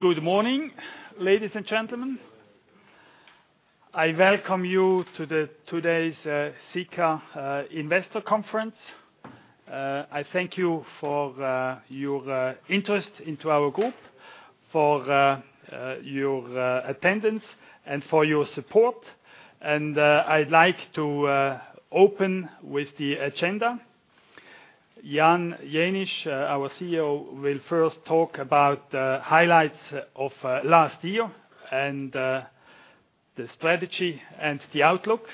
Good morning, ladies and gentlemen. I welcome you to today's Sika Investor Conference. I thank you for your interest into our group, for your attendance, and for your support. I'd like to open with the agenda. Jan Jenisch, our CEO, will first talk about highlights of last year and the strategy and the outlook.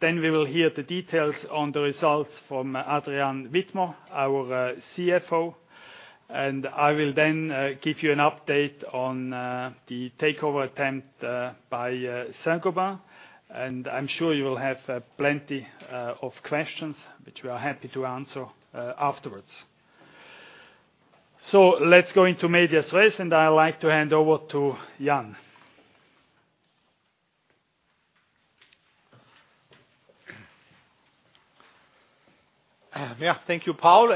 We will hear the details on the results from Adrian Widmer, our CFO, I will then give you an update on the takeover attempt by Saint-Gobain. I'm sure you will have plenty of questions, which we are happy to answer afterwards. Let's go into medias res, I'd like to hand over to Jan. Thank you, Paul,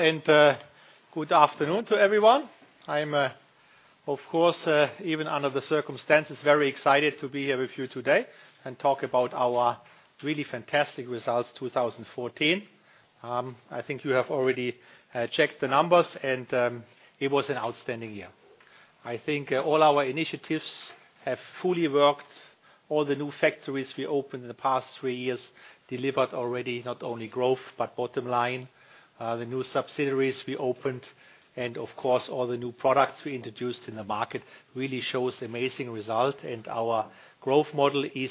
good afternoon to everyone. I'm, of course, even under the circumstances, very excited to be here with you today and talk about our really fantastic results 2014. I think you have already checked the numbers, it was an outstanding year. I think all our initiatives have fully worked. All the new factories we opened in the past three years delivered already, not only growth, but bottom line. The new subsidiaries we opened and, of course, all the new products we introduced in the market really shows amazing result. Our growth model is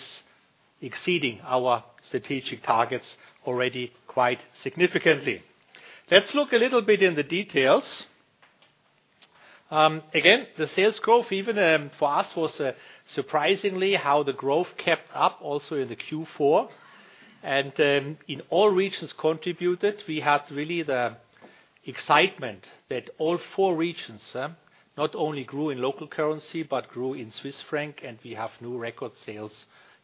exceeding our strategic targets already quite significantly. Let's look a little bit in the details. Again, the sales growth, even for us, was surprisingly how the growth kept up also in the Q4. In all regions contributed, we had really the excitement that all four regions not only grew in local currency but grew in Swiss franc, we have new record sales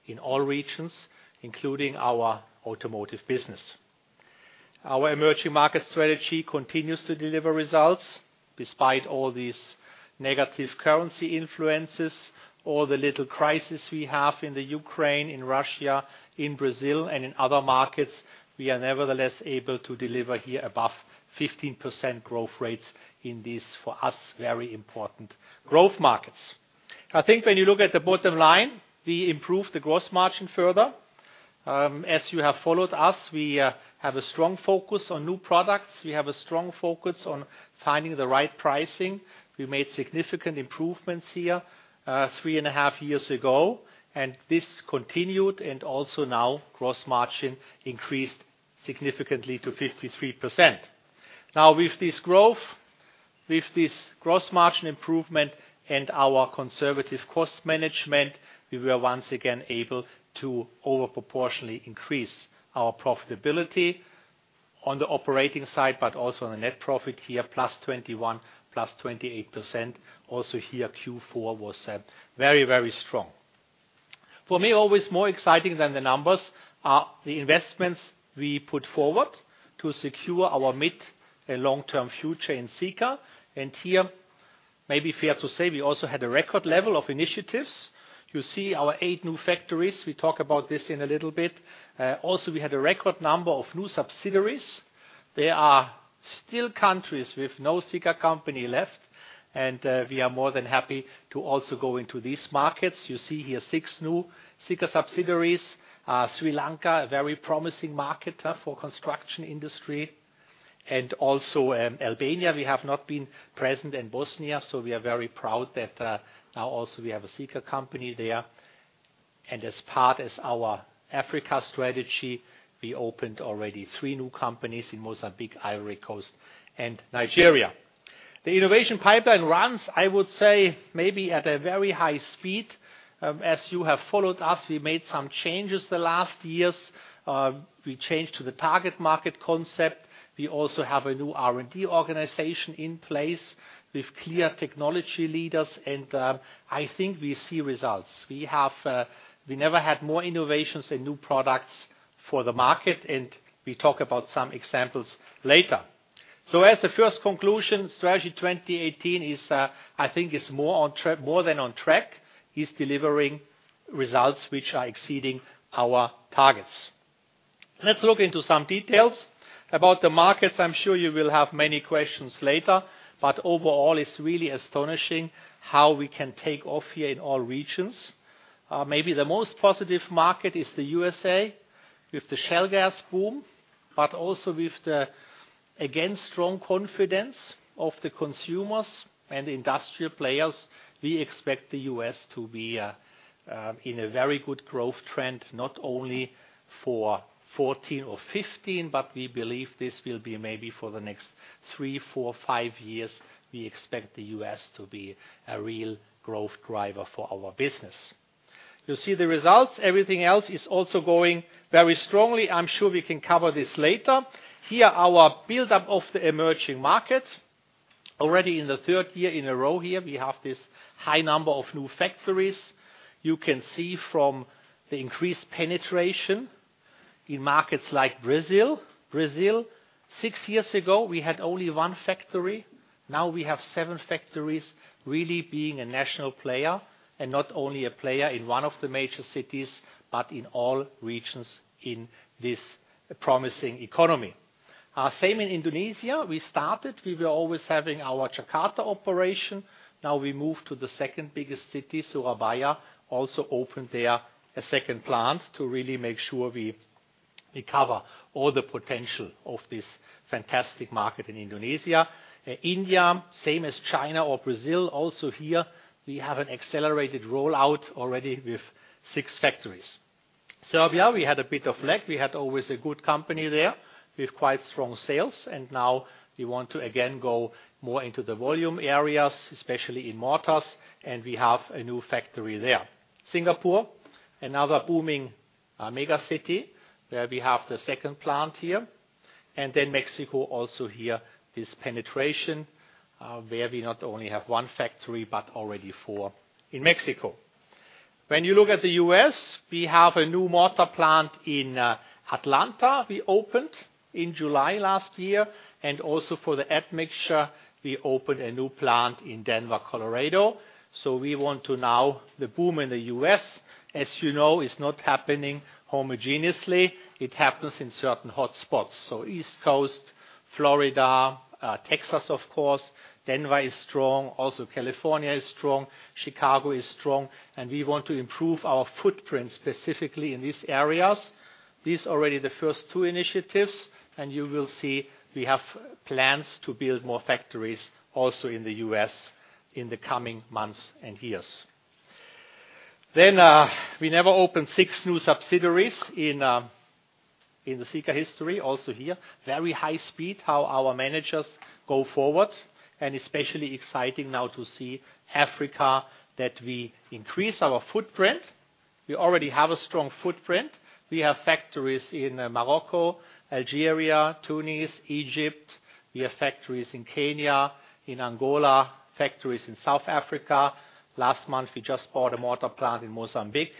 in all regions, including our automotive business. Our emerging market strategy continues to deliver results despite all these negative currency influences, all the little crisis we have in the Ukraine, in Russia, in Brazil, in other markets. We are nevertheless able to deliver here above 15% growth rates in these, for us, very important growth markets. I think when you look at the bottom line, we improved the gross margin further. As you have followed us, we have a strong focus on new products. We have a strong focus on finding the right pricing. We made significant improvements here three and a half years ago, this continued, also now gross margin increased significantly to 53%. With this growth, with this gross margin improvement, our conservative cost management, we were once again able to over proportionally increase our profitability on the operating side, also on the net profit here, plus 21%, plus 28%. Also here, Q4 was very, very strong. For me, always more exciting than the numbers are the investments we put forward to secure our mid and long-term future in Sika. Here, maybe fair to say, we also had a record level of initiatives. You see our eight new factories. We talk about this in a little bit. Also, we had a record number of new subsidiaries. There are still countries with no Sika company left, we are more than happy to also go into these markets. You see here six new Sika subsidiaries. Sri Lanka, a very promising market for construction industry. Also Albania, we have not been present in Bosnia. We are very proud that now also we have a Sika company there. As part of our Africa strategy, we opened already 3 new companies in Mozambique, Ivory Coast, and Nigeria. The innovation pipeline runs, I would say, maybe at a very high speed. As you have followed us, we made some changes the last years. We changed to the target market concept. We also have a new R&D organization in place with clear technology leaders, and I think we see results. We never had more innovations and new products for the market, and we talk about some examples later. As the first conclusion, Strategy 2018, I think is more than on track, is delivering results which are exceeding our targets. Let's look into some details about the markets. I'm sure you will have many questions later. Overall, it's really astonishing how we can take off here in all regions. Maybe the most positive market is the U.S.A. with the shale gas boom. Also with the, again, strong confidence of the consumers and industrial players. We expect the U.S. to be in a very good growth trend, not only for 2014 or 2015. We believe this will be maybe for the next three, four, five years. We expect the U.S. to be a real growth driver for our business. You see the results. Everything else is also going very strongly. I'm sure we can cover this later. Here, our build-up of the emerging markets. Already in the third year in a row here, we have this high number of new factories. You can see from the increased penetration in markets like Brazil. Brazil, six years ago, we had only one factory. Now we have seven factories. Really being a national player and not only a player in one of the major cities. In all regions in this promising economy. Same in Indonesia. We started, we were always having our Jakarta operation. Now we move to the second biggest city, Surabaya, also opened there a second plant to really make sure we cover all the potential of this fantastic market in Indonesia. India, same as China or Brazil. Also here, we have an accelerated rollout already with six factories. Serbia, we had a bit of luck. We had always a good company there with quite strong sales. Now we want to again go more into the volume areas, especially in mortars, and we have a new factory there. Singapore, another booming mega city where we have the second plant here. Mexico also here, this penetration, where we not only have one factory. Already four in Mexico. When you look at the U.S., we have a new mortar plant in Atlanta we opened in July last year. Also for the admixture, we opened a new plant in Denver, Colorado. We want to now, the boom in the U.S., as you know, is not happening homogeneously. It happens in certain hot spots. East Coast, Florida, Texas, of course. Denver is strong. Also California is strong. Chicago is strong. We want to improve our footprint specifically in these areas. These already the first two initiatives. You will see we have plans to build more factories also in the U.S. in the coming months and years. We never opened six new subsidiaries in the Sika history. Here, very high speed how our managers go forward. Especially exciting now to see Africa that we increase our footprint. We already have a strong footprint. We have factories in Morocco, Algeria, Tunis, Egypt. We have factories in Kenya, in Angola, factories in South Africa. Last month, we just bought a mortar plant in Mozambique.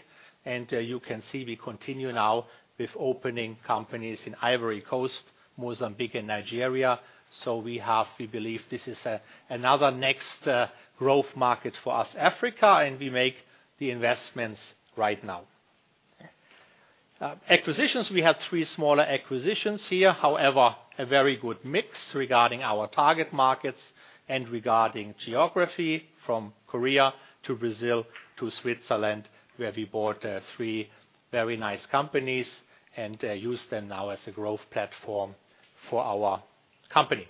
You can see we continue now with opening companies in Ivory Coast, Mozambique, and Nigeria. We believe this is another next growth market for us, Africa, and we make the investments right now. Acquisitions, we had three smaller acquisitions here. However, a very good mix regarding our target markets and regarding geography from Korea to Brazil to Switzerland, where we bought three very nice companies and use them now as a growth platform for our company.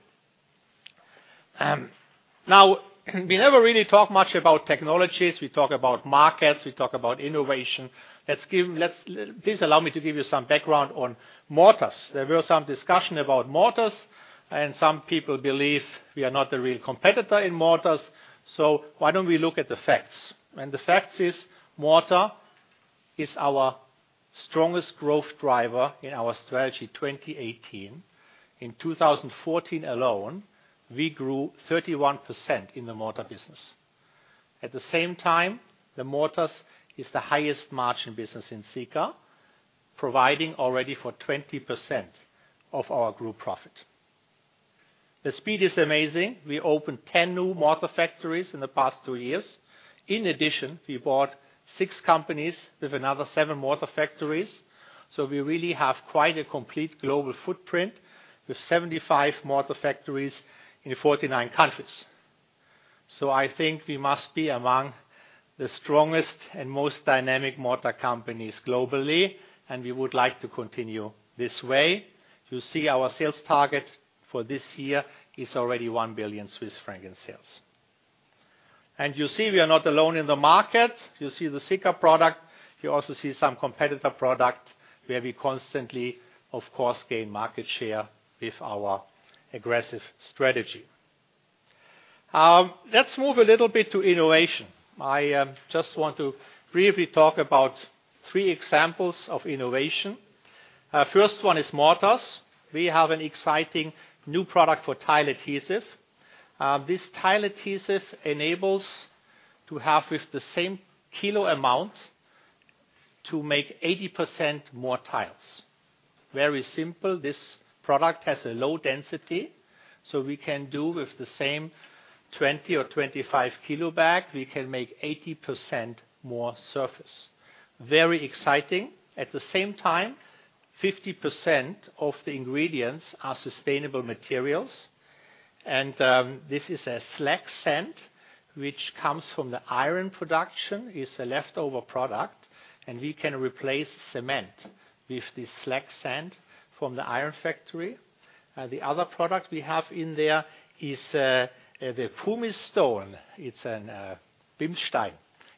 We never really talk much about technologies. We talk about markets. We talk about innovation. Please allow me to give you some background on mortars. There were some discussions about mortars and some people believe we are not a real competitor in mortars. Why don't we look at the facts? The facts is mortar is our strongest growth driver in our Strategy 2018. In 2014 alone, we grew 31% in the mortar business. At the same time, the mortar is the highest margin business in Sika, providing already for 20% of our group profit. The speed is amazing. We opened 10 new mortar factories in the past two years. In addition, we bought six companies with another seven mortar factories. We really have quite a complete global footprint with 75 mortar factories in 49 countries. I think we must be among the strongest and most dynamic mortar companies globally, and we would like to continue this way. You see our sales target for this year is already 1 billion Swiss franc in sales. You see we are not alone in the market. You see the Sika product. You also see some competitor products where we constantly, of course, gain market share with our aggressive strategy. Let's move a little bit to innovation. I just want to briefly talk about three examples of innovation. First one is mortars. We have an exciting new product for tile adhesive. This tile adhesive enables to have with the same kilo amount to make 80% more tiles. Very simple. This product has a low density, so we can do with the same 20 or 25-kilo bag, we can make 80% more surface. Very exciting. At the same time, 50% of the ingredients are sustainable materials. This is a slag sand which comes from the iron production, is a leftover product. We can replace cement with this slag sand from the iron factory. The other product we have in there is the pumice stone. It's a Bims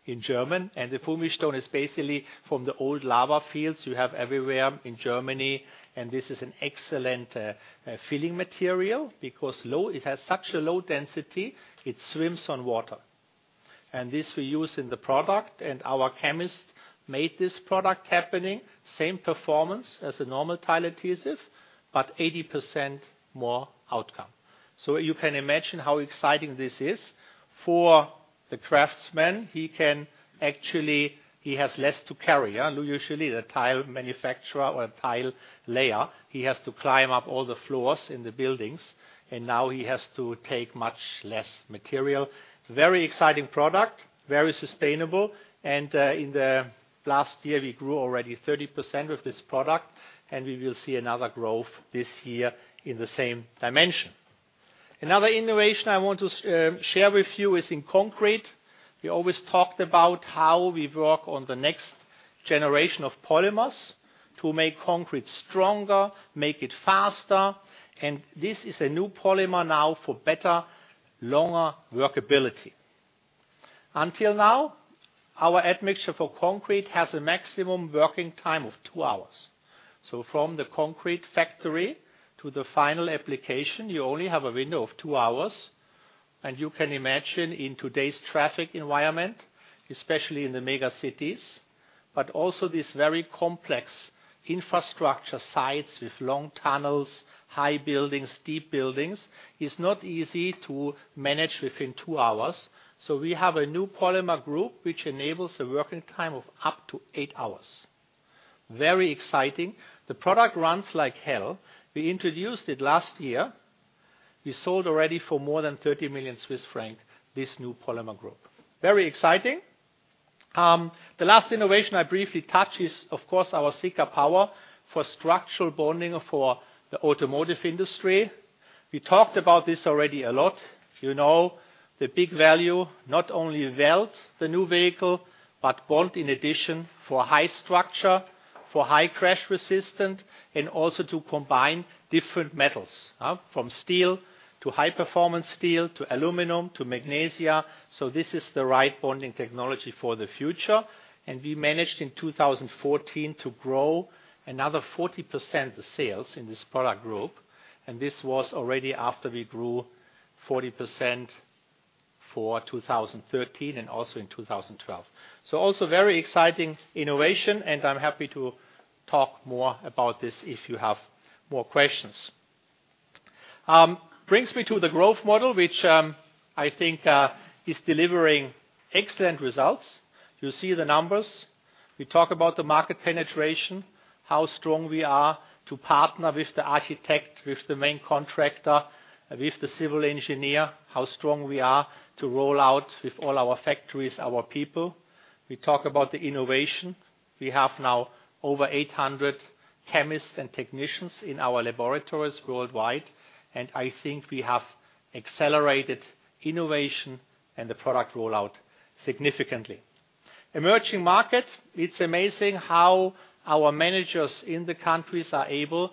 in German. The pumice stone is basically from the old lava fields you have everywhere in Germany. This is an excellent filling material because it has such a low density, it swims on water. This we use in the product and our chemist made this product happening. Same performance as a normal tile adhesive, but 80% more outcome. You can imagine how exciting this is for the craftsman. He has less to carry. Usually, the tile manufacturer or tile layer, he has to climb up all the floors in the buildings, and now he has to take much less material. Very exciting product, very sustainable. In the last year, we grew already 30% with this product, we will see another growth this year in the same dimension. Another innovation I want to share with you is in concrete. We always talked about how we work on the next generation of polymers to make concrete stronger, make it faster. This is a new polymer now for better, longer workability. Until now, our admixture for concrete has a maximum working time of two hours. From the concrete factory to the final application, you only have a window of two hours. You can imagine in today's traffic environment, especially in the mega-cities, but also these very complex infrastructure sites with long tunnels, high buildings, deep buildings, is not easy to manage within two hours. We have a new polymer group, which enables a working time of up to eight hours. Very exciting. The product runs like hell. We introduced it last year. We sold already for more than 30 million Swiss francs, this new polymer group. Very exciting. The last innovation I briefly touch is, of course, our SikaPower for structural bonding for the automotive industry. We talked about this already a lot. You know the big value, not only weld the new vehicle, but bond in addition for high structure, for high crash resistant, and also to combine different metals. From steel to high-performance steel, to aluminum, to magnesium. This is the right bonding technology for the future. We managed in 2014 to grow another 40% the sales in this product group. This was already after we grew 40% for 2013 and also in 2012. Also very exciting innovation, and I'm happy to talk more about this if you have more questions. Brings me to the growth model, which I think is delivering excellent results. You see the numbers. We talk about the market penetration, how strong we are to partner with the architect, with the main contractor, with the civil engineer, how strong we are to roll out with all our factories, our people. We talk about the innovation. We have now over 800 chemists and technicians in our laboratories worldwide, I think we have accelerated innovation and the product rollout significantly. Emerging markets. It's amazing how our managers in the countries are able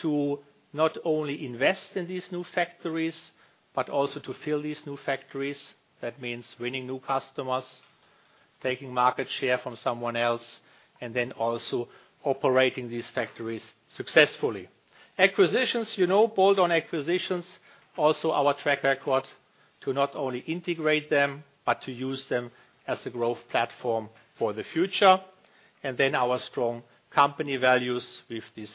to not only invest in these new factories, but also to fill these new factories. That means winning new customers, taking market share from someone else, and then also operating these factories successfully. Acquisitions, you know bolt-on acquisitions. Also our track record to not only integrate them, but to use them as a growth platform for the future. Then our strong company values with this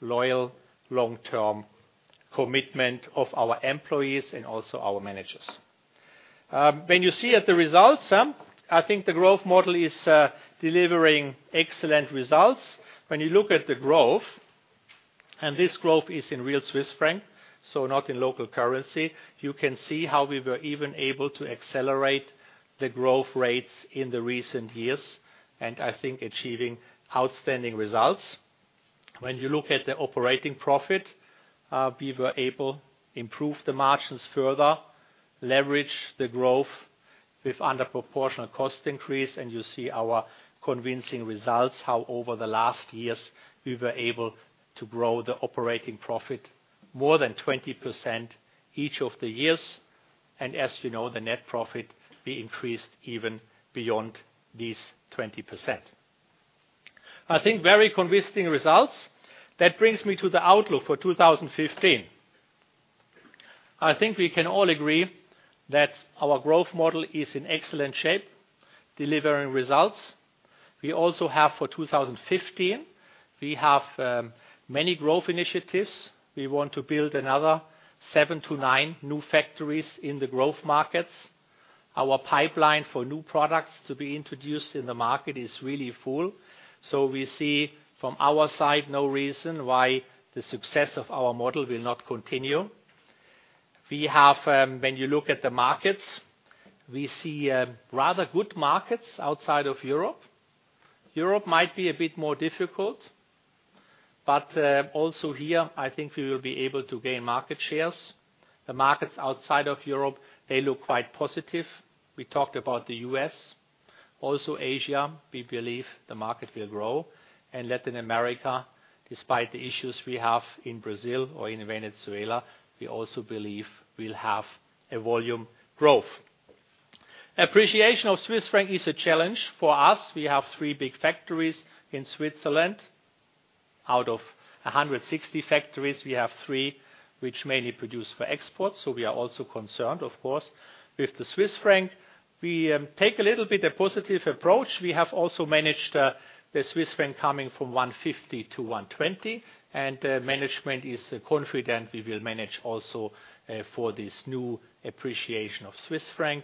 loyal, long-term commitment of our employees and also our managers. When you see at the results, I think the growth model is delivering excellent results. When you look at the growth, this growth is in real CHF, not in local currency, you can see how we were even able to accelerate the growth rates in the recent years, I think achieving outstanding results. When you look at the operating profit, we were able improve the margins further, leverage the growth with under proportional cost increase, you see our convincing results, how over the last years, we were able to grow the operating profit more than 20% each of the years. As you know, the net profit we increased even beyond this 20%. Very convincing results. Brings me to the outlook for 2015. We can all agree that our growth model is in excellent shape, delivering results. We also have for 2015, we have many growth initiatives. We want to build another seven to nine new factories in the growth markets. Our pipeline for new products to be introduced in the market is really full. We see from our side no reason why the success of our model will not continue. When you look at the markets, we see rather good markets outside of Europe. Europe might be a bit more difficult, but also here, we will be able to gain market shares. The markets outside of Europe, they look quite positive. We talked about the U.S. Asia, we believe the market will grow. Latin America, despite the issues we have in Brazil or in Venezuela, we also believe we will have a volume growth. Appreciation of Swiss franc is a challenge for us. We have three big factories in Switzerland. Out of 160 factories, we have three which mainly produce for export, so we are also concerned, of course, with the Swiss franc. We take a little bit of positive approach. We have also managed the Swiss franc coming from 150 to 120, and management is confident we will manage also for this new appreciation of Swiss franc.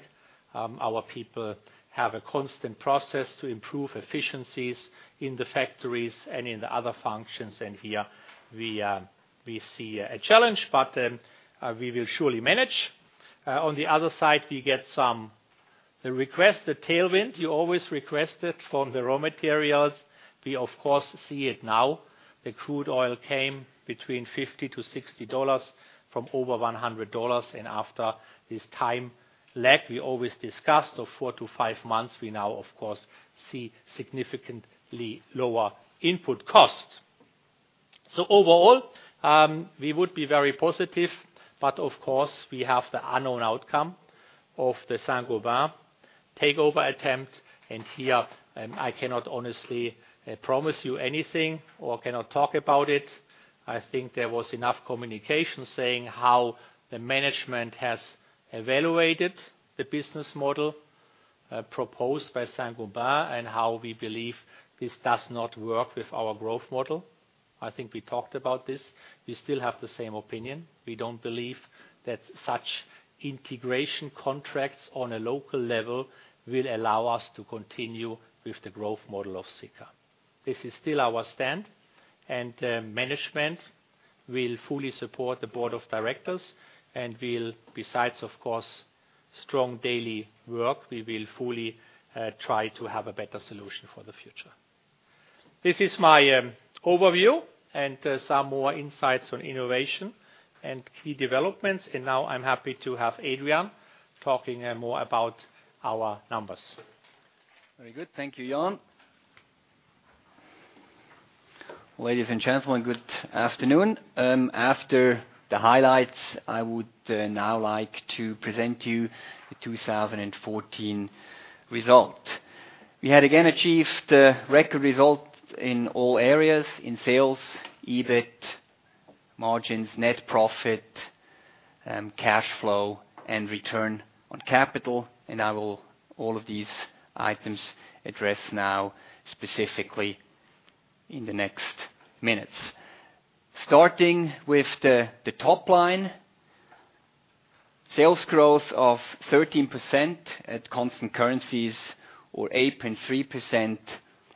Our people have a constant process to improve efficiencies in the factories and in the other functions. Here we see a challenge, but we will surely manage. On the other side, we get some request, the tailwind, you always request it from the raw materials. We, of course, see it now. The crude oil came between $50 to $60 from over $100. After this time lag, we always discussed of four to five months, we now, of course, see significantly lower input costs. Overall, we would be very positive, but of course, we have the unknown outcome of the Saint-Gobain takeover attempt, and here I cannot honestly promise you anything or cannot talk about it. There was enough communication saying how the management has evaluated the business model proposed by Saint-Gobain and how we believe this does not work with our growth model. We talked about this. We still have the same opinion. We don't believe that such integration contracts on a local level will allow us to continue with the growth model of Sika. This is still our stand. Management will fully support the board of directors and will, besides, of course, strong daily work, we will fully try to have a better solution for the future. This is my overview and some more insights on innovation and key developments. Now I'm happy to have Adrian talking more about our numbers. Very good. Thank you, Jan. Ladies and gentlemen, good afternoon. After the highlights, I would now like to present to you the 2014 result. We had again achieved a record result in all areas, in sales, EBIT, margins, net profit, cash flow, and return on capital. I will all of these items address now specifically in the next minutes. Starting with the top line. Sales growth of 13% at constant currencies or 8.3%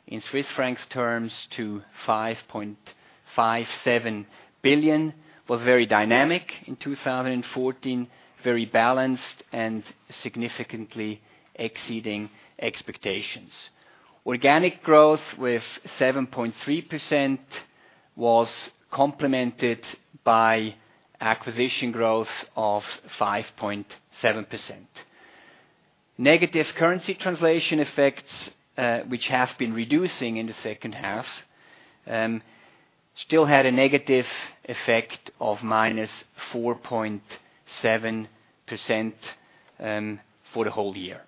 in Swiss francs terms to 5.57 billion was very dynamic in 2014, very balanced, and significantly exceeding expectations. Organic growth with 7.3% was complemented by acquisition growth of 5.7%. Negative currency translation effects, which have been reducing in the second half, still had a negative effect of -4.7% for the whole year.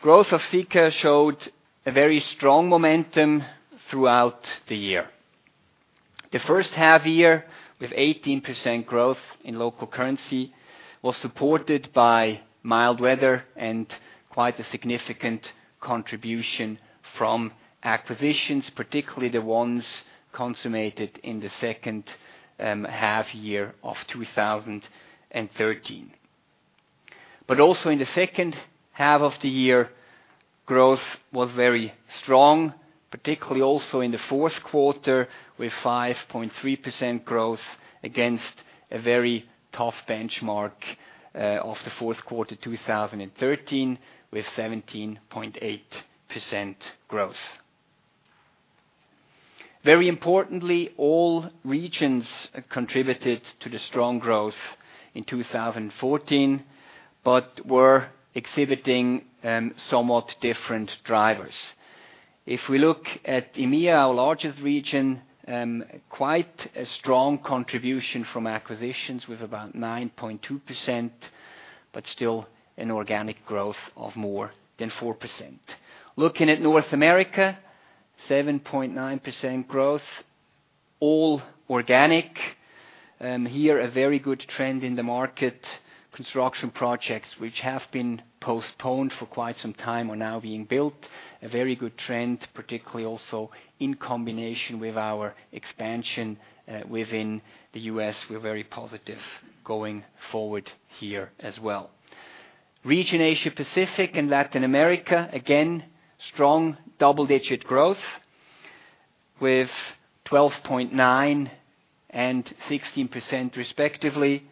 Growth of Sika showed a very strong momentum throughout the year. The first half year, with 18% growth in local currency, was supported by mild weather and quite a significant contribution from acquisitions, particularly the ones consummated in the second half year of 2013. Also in the second half of the year, growth was very strong, particularly also in the fourth quarter with 5.3% growth against a very tough benchmark of the fourth quarter 2013 with 17.8% growth. Very importantly, all regions contributed to the strong growth in 2014 but were exhibiting somewhat different drivers. If we look at EMEA, our largest region, quite a strong contribution from acquisitions with about 9.2%, but still an organic growth of more than 4%. Looking at North America, 7.9% growth, all organic. Here, a very good trend in the market. Construction projects which have been postponed for quite some time are now being built. A very good trend, particularly also in combination with our expansion within the U.S. We're very positive going forward here as well. Region Asia Pacific and Latin America, again, strong double-digit growth with 12.9% and 16% respectively,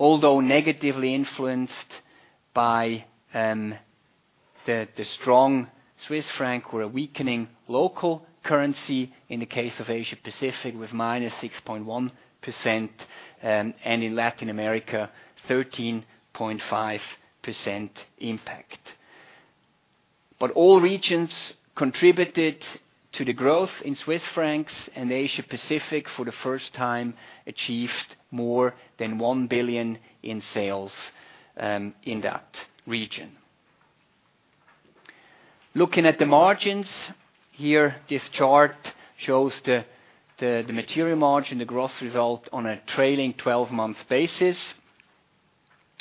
although negatively influenced by the strong Swiss franc or a weakening local currency in the case of Asia Pacific with -6.1% and in Latin America, 13.5% impact. All regions contributed to the growth in Swiss francs, and Asia Pacific, for the first time, achieved more than 1 billion in sales in that region. Looking at the margins, here this chart shows the material margin, the gross result on a trailing 12-month basis.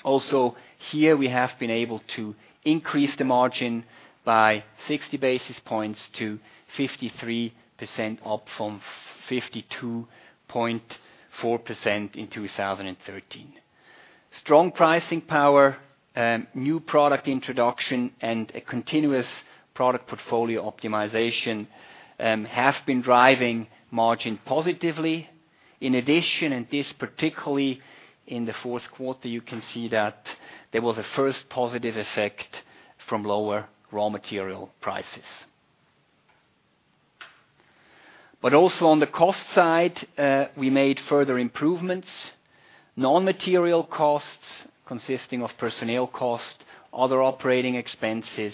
Also, here we have been able to increase the margin by 60 basis points to 53%, up from 52.4% in 2013. Strong pricing power, new product introduction, and a continuous product portfolio optimization have been driving margin positively. In addition, this particularly in the fourth quarter, you can see that there was a first positive effect from lower raw material prices. Also on the cost side, we made further improvements. Non-material costs, consisting of personnel costs, other operating expenses,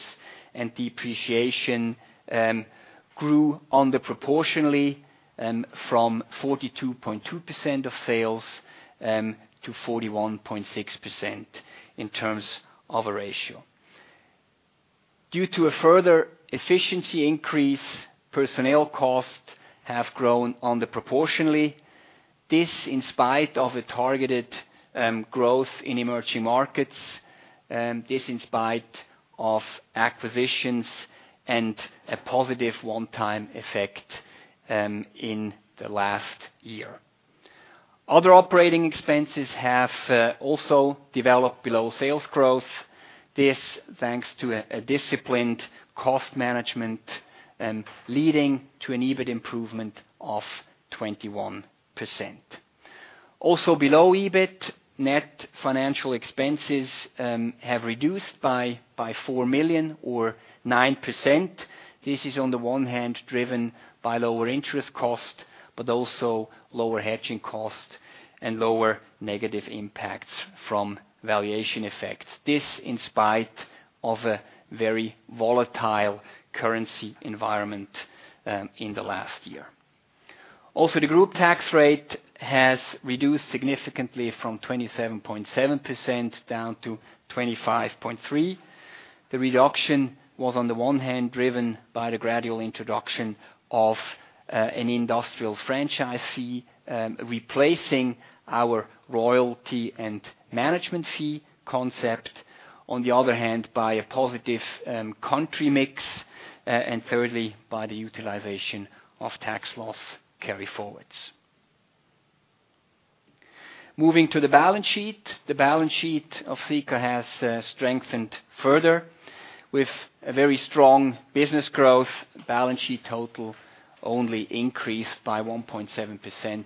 and depreciation, grew under-proportionally from 42.2% of sales to 41.6% in terms of a ratio. Due to a further efficiency increase, personnel costs have grown under-proportionally. This in spite of a targeted growth in emerging markets, this in spite of acquisitions and a positive one-time effect in the last year. Other operating expenses have also developed below sales growth. This thanks to a disciplined cost management, leading to an EBIT improvement of 21%. Also below EBIT, net financial expenses have reduced by 4 million or 9%. This is on the one hand driven by lower interest cost, also lower hedging cost and lower negative impacts from valuation effects. This in spite of a very volatile currency environment in the last year. Also, the group tax rate has reduced significantly from 27.7% down to 25.3%. The reduction was, on the one hand, driven by the gradual introduction of an industrial franchise fee, replacing our royalty and management fee concept. On the other hand, by a positive country mix, thirdly, by the utilization of tax loss carryforwards. Moving to the balance sheet. The balance sheet of Sika has strengthened further with a very strong business growth. Balance sheet total only increased by 1.7%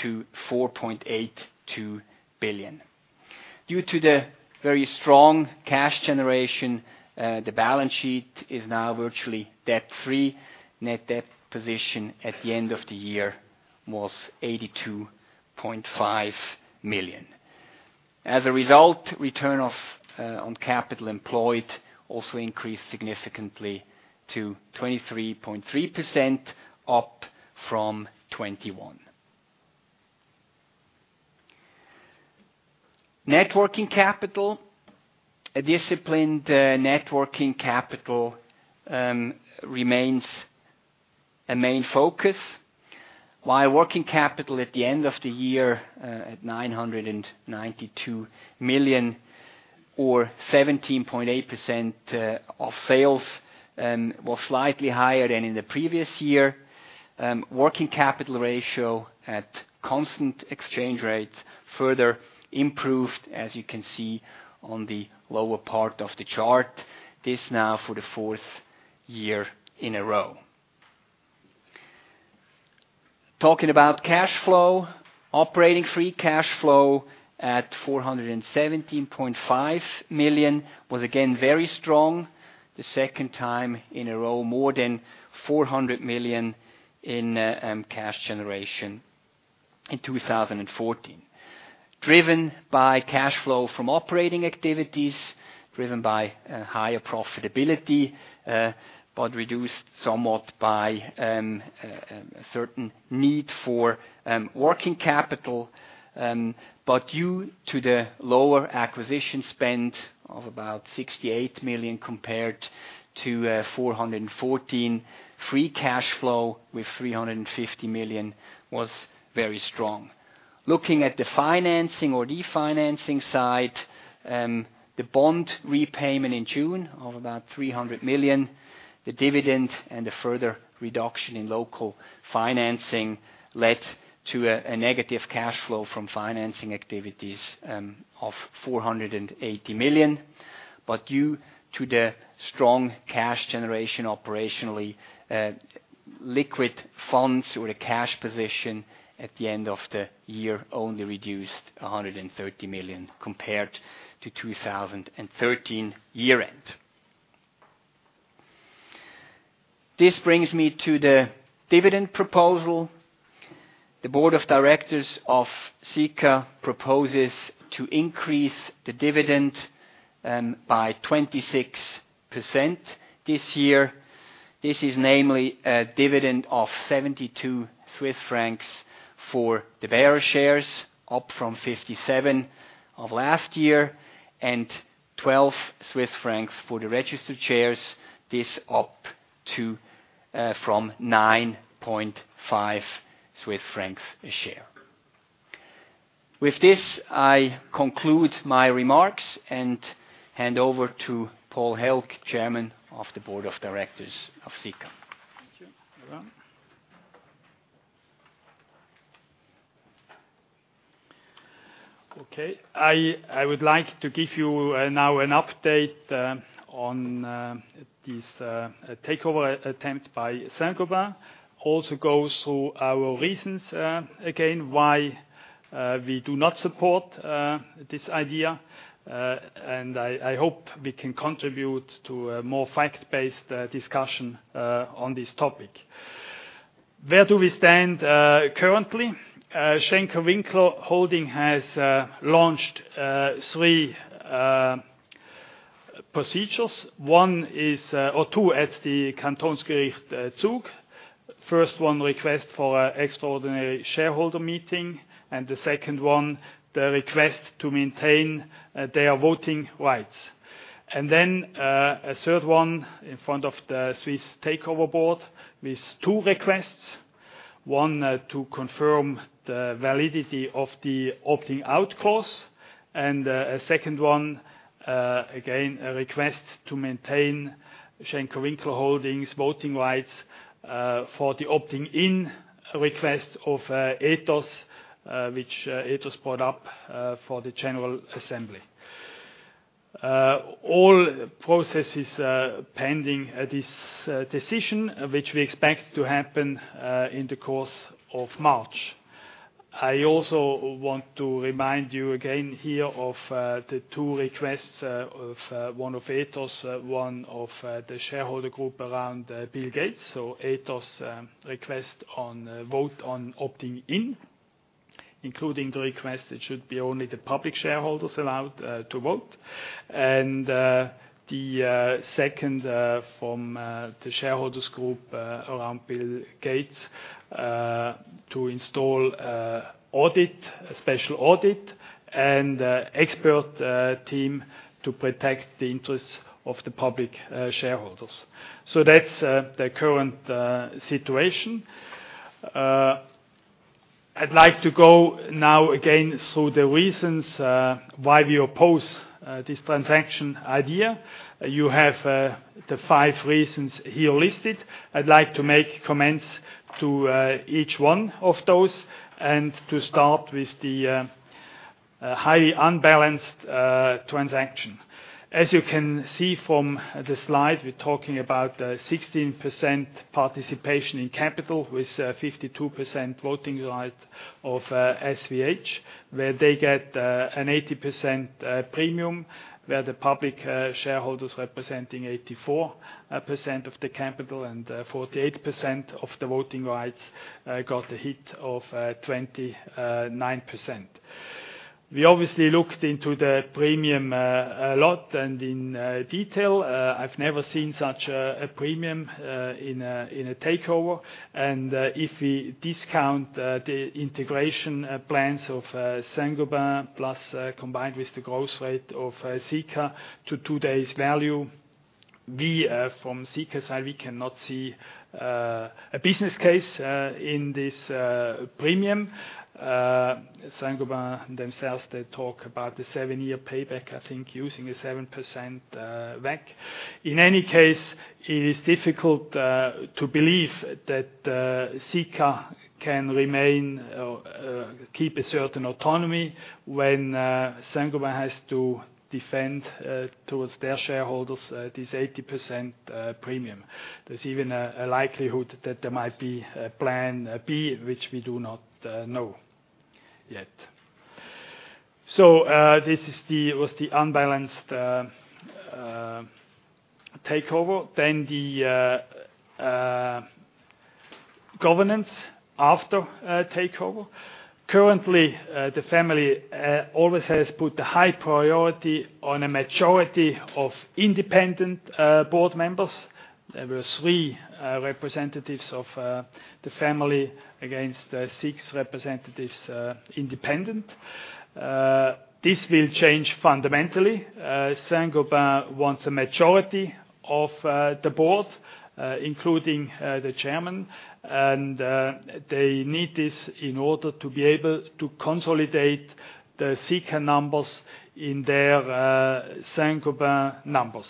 to 4.82 billion. Due to the very strong cash generation, the balance sheet is now virtually debt-free. Net debt position at the end of the year was 82.5 million. As a result, return on capital employed also increased significantly to 23.3%, up from 21%. Net working capital. A disciplined net working capital remains a main focus, while working capital at the end of the year at 992 million, or 17.8% of sales, was slightly higher than in the previous year. Working capital ratio at constant exchange rate further improved, as you can see on the lower part of the chart. This now for the fourth year in a row. Talking about cash flow. Operating free cash flow at 417.5 million was again very strong. The second time in a row, more than 400 million in cash generation in 2014. Driven by cash flow from operating activities, driven by higher profitability, reduced somewhat by a certain need for working capital. Due to the lower acquisition spend of about 68 million compared to 414 million, free cash flow with 350 million was very strong. Looking at the financing or refinancing side, the bond repayment in June of about 300 million, the dividend, the further reduction in local financing led to a negative cash flow from financing activities of 480 million. Due to the strong cash generation operationally, liquid funds or the cash position at the end of the year only reduced 130 million compared to 2013 year-end. This brings me to the dividend proposal. The board of directors of Sika proposes to increase the dividend by 26% this year. This is namely a dividend of 72 Swiss francs for the bearer shares, up from 57 of last year, and 12 Swiss francs for the registered shares. This up from 9.5 Swiss francs a share. With this, I conclude my remarks and hand over to Paul Hälg, Chairman of the Board of Directors of Sika. Thank you, Laurent. I would like to give you now an update on this takeover attempt by Saint-Gobain, also go through our reasons again why we do not support this idea. I hope we can contribute to a more fact-based discussion on this topic. Where do we stand currently? Schenker-Winkler Holding has launched three procedures. Two at the Kantonsgericht Zug. First one, request for extraordinary shareholder meeting, and the second one, the request to maintain their voting rights. A third one in front of the Swiss Takeover Board with two requests. One to confirm the validity of the opting-out clause, and a second one, again, a request to maintain Schenker-Winkler Holding's voting rights for the opting-in request of Ethos, which Ethos brought up for the general assembly. All processes pending this decision, which we expect to happen in the course of March. I also want to remind you again here of the two requests, one of Ethos, one of the shareholder group around Bill Gates. Ethos request on vote on opting-in, including the request it should be only the public shareholders allowed to vote. The second from the shareholders group around Bill Gates to install a special audit and expert team to protect the interests of the public shareholders. That's the current situation. I'd like to go now again through the reasons why we oppose this transaction idea. You have the five reasons here listed. I'd like to make comments to each one of those, and to start with the highly unbalanced transaction. As you can see from the slide, we're talking about 16% participation in capital with 52% voting right of SWH, where they get an 80% premium, where the public shareholders representing 84% of the capital and 48% of the voting rights got a hit of 29%. We obviously looked into the premium a lot and in detail. I've never seen such a premium in a takeover. If we discount the integration plans of Saint-Gobain plus combined with the growth rate of Sika to today's value, we from Sika side, we cannot see a business case in this premium. Saint-Gobain themselves, they talk about the seven-year payback, I think using a 7% WACC. In any case, it is difficult to believe that Sika can remain or keep a certain autonomy when Saint-Gobain has to defend towards their shareholders this 80% premium. There's even a likelihood that there might be a plan B, which we do not know yet. This was the unbalanced takeover. The governance after takeover. Currently, the family always has put a high priority on a majority of independent board members. There were three representatives of the family against six representatives independent. This will change fundamentally. Saint-Gobain wants a majority of the board, including the chairman, and they need this in order to be able to consolidate the Sika numbers in their Saint-Gobain numbers.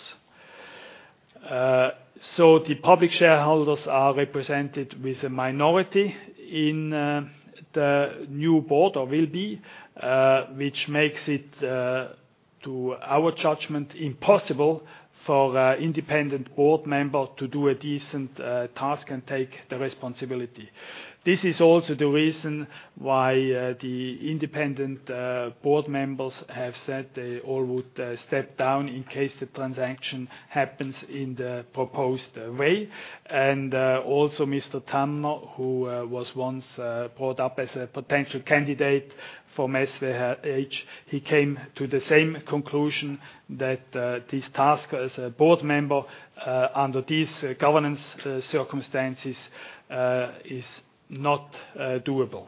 The public shareholders are represented with a minority in the new board, or will be, which makes it, to our judgment, impossible for independent board member to do a decent task and take the responsibility. This is also the reason why the independent board members have said they all would step down in case the transaction happens in the proposed way. Also Mr. [Tammer], who was once brought up as a potential candidate from SWH, he came to the same conclusion that this task as a board member under these governance circumstances is not doable.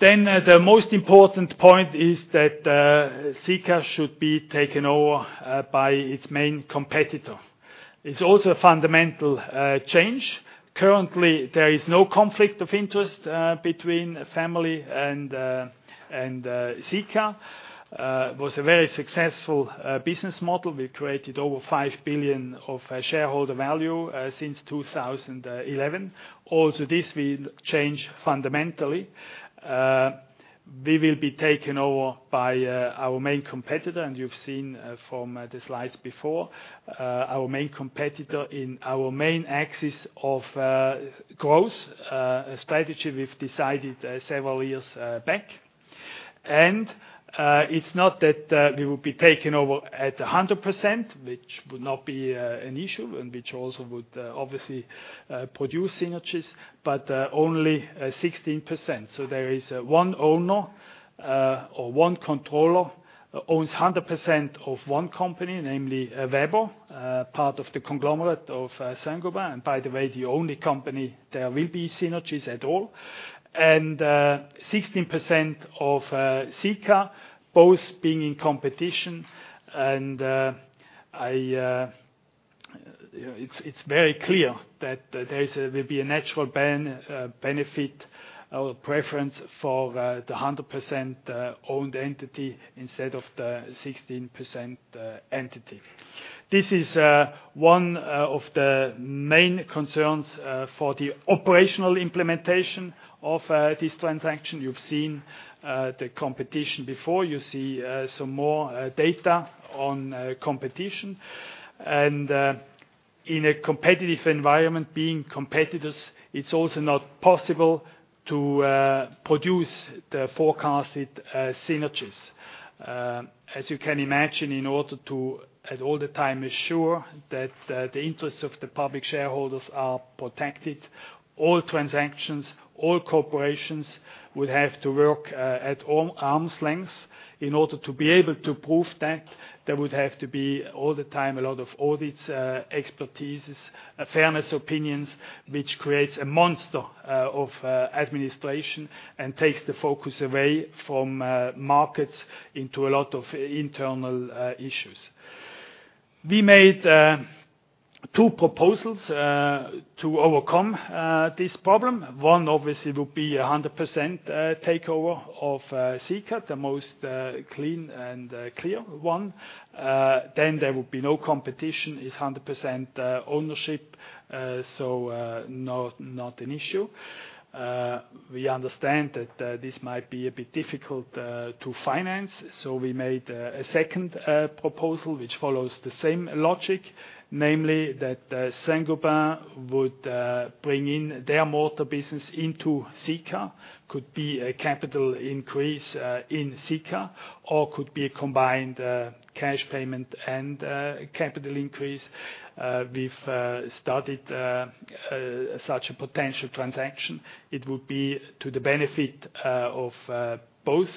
The most important point is that Sika should be taken over by its main competitor. It's also a fundamental change. Currently, there is no conflict of interest between family and Sika. It was a very successful business model. We created over 5 billion of shareholder value since 2011. This will change fundamentally. We will be taken over by our main competitor, and you've seen from the slides before, our main competitor in our main axis of growth strategy, we've decided several years back. It's not that we will be taken over at 100%, which would not be an issue and which also would obviously produce synergies, but only 16%. There is one owner, or one controller, who owns 100% of one company, namely Weber, part of the conglomerate of Saint-Gobain, and by the way, the only company there will be synergies at all. 16% of Sika both being in competition. It's very clear that there will be a natural benefit or preference for the 100% owned entity instead of the 16% entity. This is one of the main concerns for the operational implementation of this transaction. You've seen the competition before. You see some more data on competition. In a competitive environment, being competitors, it's also not possible to produce the forecasted synergies. As you can imagine, in order to, at all the time, ensure that the interests of the public shareholders are protected, all transactions, all corporations would have to work at arm's length. In order to be able to prove that, there would have to be, all the time, a lot of audits, expertises, fairness opinions, which creates a monster of administration and takes the focus away from markets into a lot of internal issues. We made two proposals to overcome this problem. One obviously would be 100% takeover of Sika, the most clean and clear one. There would be no competition. It's 100% ownership, so not an issue. We understand that this might be a bit difficult to finance, so we made a second proposal which follows the same logic, namely that Saint-Gobain would bring in their mortar business into Sika, could be a capital increase in Sika, or could be a combined cash payment and capital increase. We've started such a potential transaction. It would be to the benefit of both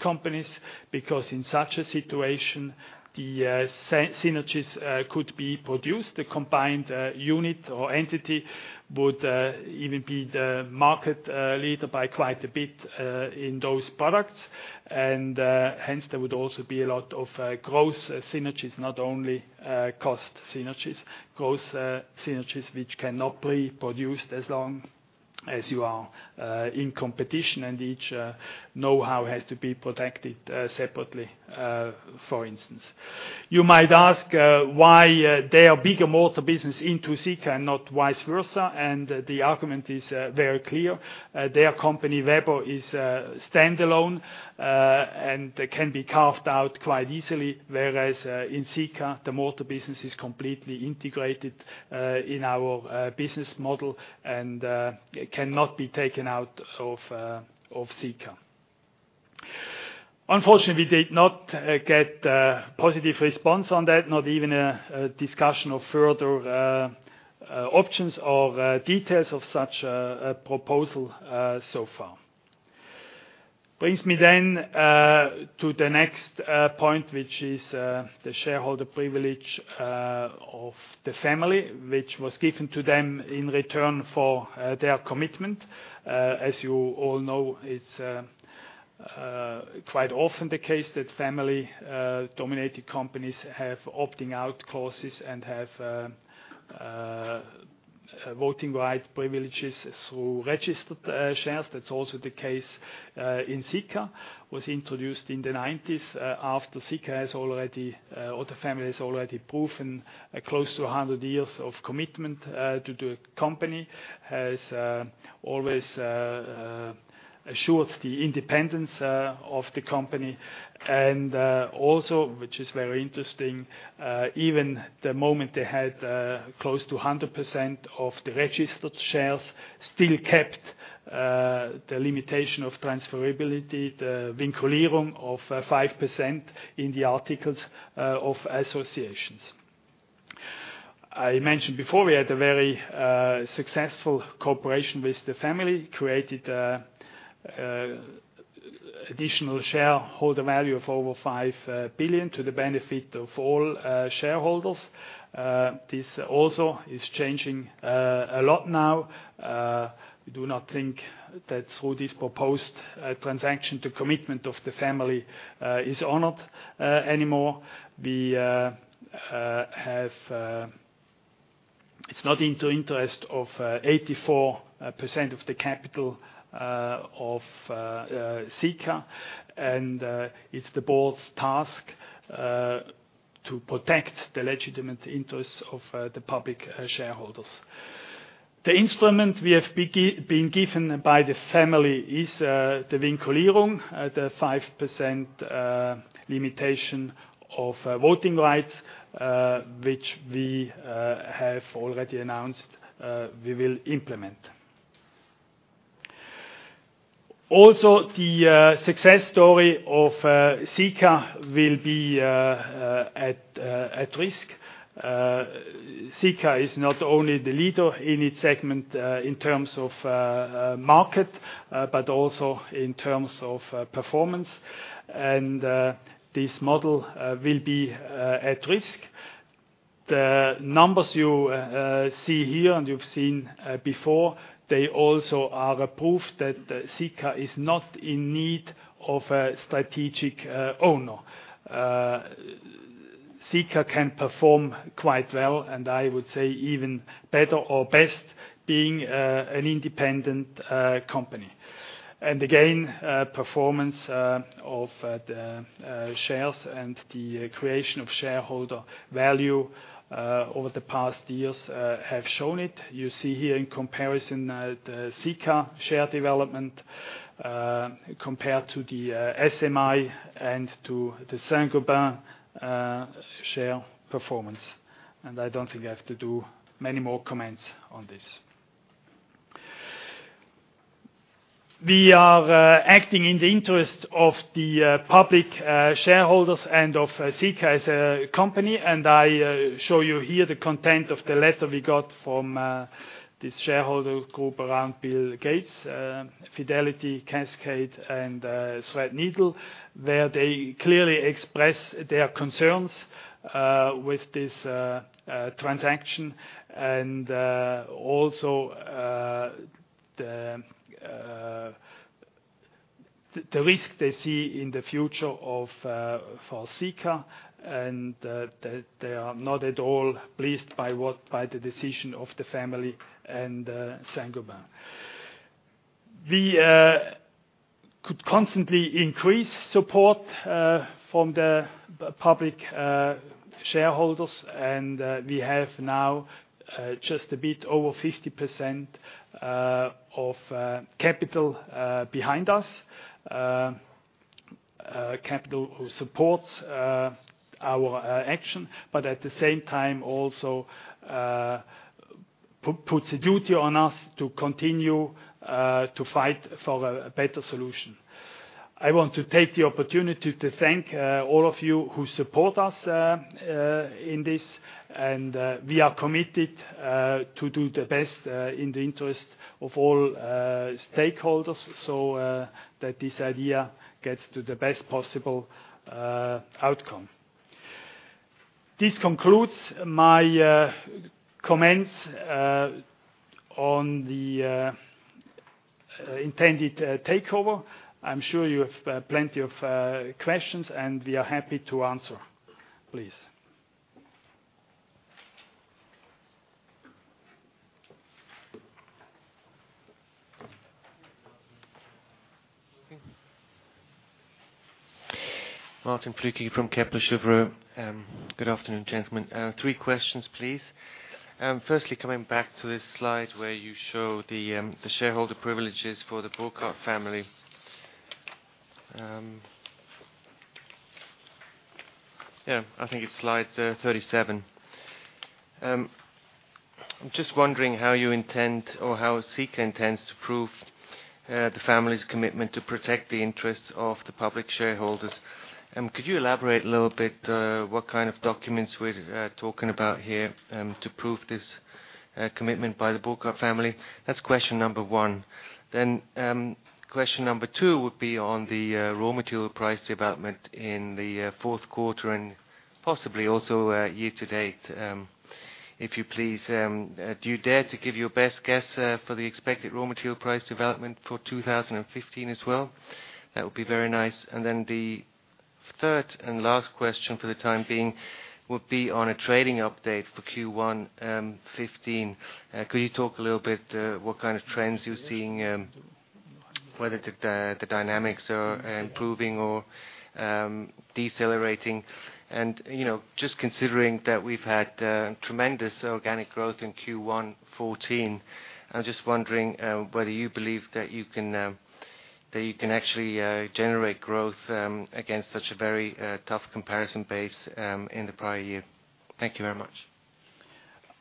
companies, because in such a situation, the synergies could be produced. The combined unit or entity would even be the market leader by quite a bit in those products. Hence, there would also be a lot of growth synergies, not only cost synergies, growth synergies which cannot be produced as long as you are in competition and each know-how has to be protected separately, for instance. You might ask why their bigger mortar business into Sika and not vice versa, and the argument is very clear. Their company, Weber, is standalone and can be carved out quite easily, whereas in Sika, the mortar business is completely integrated in our business model and cannot be taken out of Sika. Unfortunately, we did not get a positive response on that, not even a discussion of further options or details of such a proposal so far. Brings me to the next point, which is the shareholder privilege of the family, which was given to them in return for their commitment. As you all know, it is quite often the case that family-dominated companies have opting-out clauses and have voting right privileges through registered shares. That is also the case in Sika, was introduced in the 1990s after Sika has already, or the family has already proven close to 100 years of commitment to the company, has always assured the independence of the company. Also, which is very interesting, even the moment they had close to 100% of the registered shares still kept the limitation of transferability, the vinculum of 5% in the articles of association. I mentioned before, we had a very successful cooperation with the family, created additional shareholder value of over 5 billion to the benefit of all shareholders. This is changing a lot now. We do not think that through this proposed transaction, the commitment of the family is honored anymore. It is not in the interest of 84% of the capital of Sika, it is the board's task to protect the legitimate interests of the public shareholders. The instrument we have been given by the family is the 5% limitation of voting rights, which we have already announced we will implement. The success story of Sika will be at risk. Sika is not only the leader in its segment in terms of market, but also in terms of performance, and this model will be at risk. The numbers you see here and you have seen before, they are a proof that Sika is not in need of a strategic owner. Sika can perform quite well, I would say even better or best, being an independent company. Again, performance of the shares and the creation of shareholder value over the past years have shown it. You see here in comparison, the Sika share development compared to the SMI and to the Saint-Gobain share performance. I don't think I have to do many more comments on this. We are acting in the interest of the public shareholders and of Sika as a company, I show you here the content of the letter we got from this shareholder group around Bill Gates, Fidelity, Cascade, and Threadneedle, where they clearly express their concerns with this transaction and also the risk they see in the future for Sika and that they are not at all pleased by the decision of the family and Saint-Gobain. We could constantly increase support from the public shareholders, we have now just a bit over 50% of capital behind us. Capital who supports our action, at the same time also puts a duty on us to continue to fight for a better solution. I want to take the opportunity to thank all of you who support us in this, and we are committed to do the best in the interest of all stakeholders, so that this idea gets to the best possible outcome. This concludes my comments on the intended takeover. I'm sure you have plenty of questions, and we are happy to answer. Please. Martin Flueckiger from Kepler Cheuvreux. Good afternoon, gentlemen. Three questions, please. Firstly, coming back to this slide where you show the shareholder privileges for the Burkard family. I think it's slide 37. I'm just wondering how you intend or how Sika intends to prove the family's commitment to protect the interests of the public shareholders. Could you elaborate a little bit what kind of documents we're talking about here to prove this commitment by the Burkard family? That's question number one. Question number two would be on the raw material price development in the fourth quarter, and possibly also year-to-date. If you please, do you dare to give your best guess for the expected raw material price development for 2015 as well? That would be very nice. The third and last question for the time being would be on a trading update for Q1 2015. Could you talk a little bit what kind of trends you're seeing, whether the dynamics are improving or decelerating? Just considering that we've had tremendous organic growth in Q1 2014, I'm just wondering whether you believe that you can actually generate growth against such a very tough comparison base in the prior year. Thank you very much.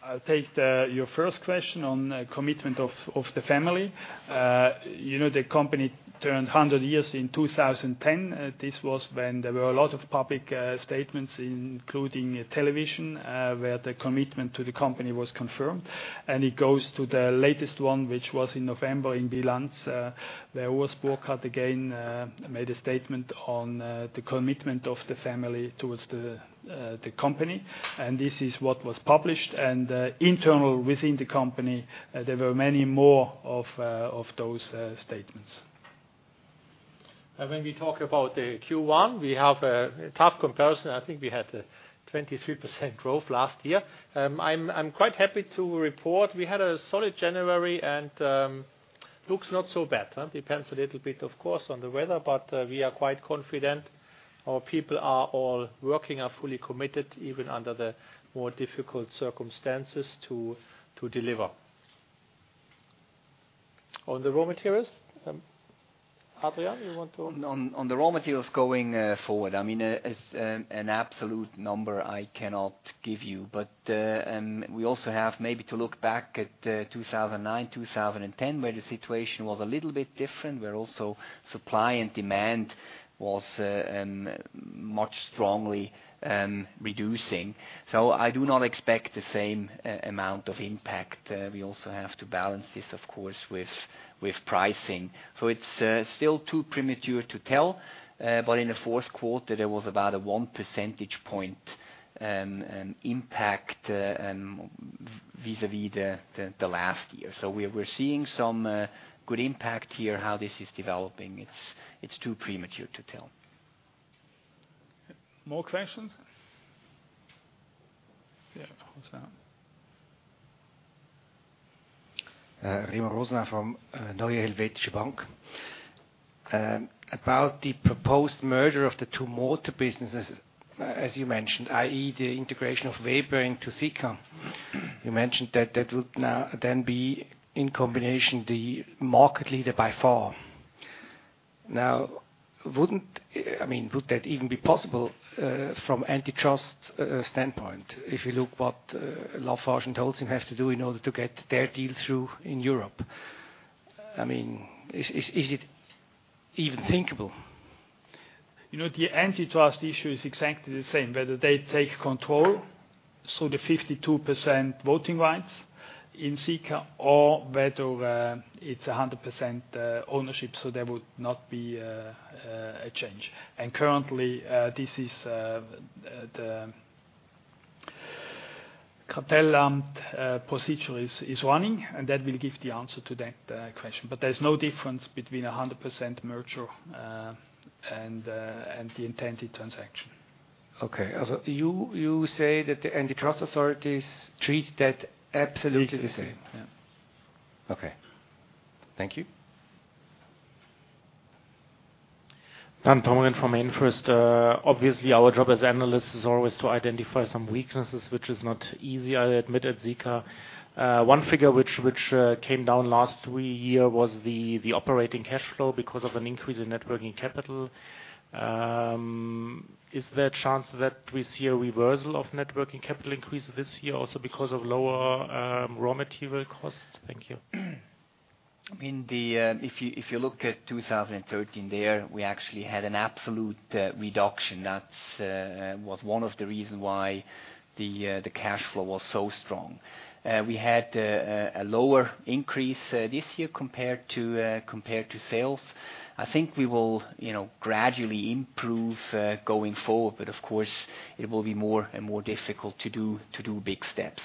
I'll take your first question on commitment of the family. The company turned 100 years in 2010. This was when there were a lot of public statements, including television, where the commitment to the company was confirmed, and it goes to the latest one, which was in November in Bilanz. Urs Burkard again, made a statement on the commitment of the family towards the company, and this is what was published. Internal within the company, there were many more of those statements. When we talk about the Q1, we have a tough comparison. I think we had 23% growth last year. I'm quite happy to report we had a solid January and looks not so bad. Depends a little bit, of course, on the weather, but we are quite confident. Our people are all working, are fully committed, even under the more difficult circumstances, to deliver. On the raw materials, Adrian, you want to? On the raw materials going forward, as an absolute number, I cannot give you. We also have maybe to look back at 2009, 2010, where the situation was a little bit different, where also supply and demand was much strongly reducing. I do not expect the same amount of impact. We also have to balance this, of course, with pricing. It's still too premature to tell. In the fourth quarter, there was about a one percentage point impact vis-à-vis the last year. We're seeing some good impact here, how this is developing. It's too premature to tell. More questions? Yeah, what's that? Remo Rosen from Neue Helvetische Bank. About the proposed merger of the two mortar businesses, as you mentioned, i.e., the integration of Weber into Sika. You mentioned that that would now then be in combination the market leader by far. Would that even be possible from antitrust standpoint, if you look what Lafarge and Holcim have to do in order to get their deal through in Europe? I mean, is it even thinkable? The antitrust issue is exactly the same, whether they take control, so the 52% voting rights in Sika, or whether it's 100% ownership. There would not be a change. Currently this is the cartel procedure is running, and that will give the answer to that question. There's no difference between 100% merger and the intended transaction. Okay. You say that the antitrust authorities treat that absolutely the same? The same. Yeah. Okay. Thank you. Dan Thomann from Infirst. Our job as analysts is always to identify some weaknesses, which is not easy, I admit, at Sika. One figure which came down last year was the operating cash flow because of an increase in net working capital. Is there a chance that we see a reversal of net working capital increase this year also because of lower raw material costs? Thank you. If you look at 2013 there, we actually had an absolute reduction. That was one of the reason why the cash flow was so strong. We had a lower increase this year compared to sales. I think we will gradually improve going forward, but of course, it will be more and more difficult to do big steps.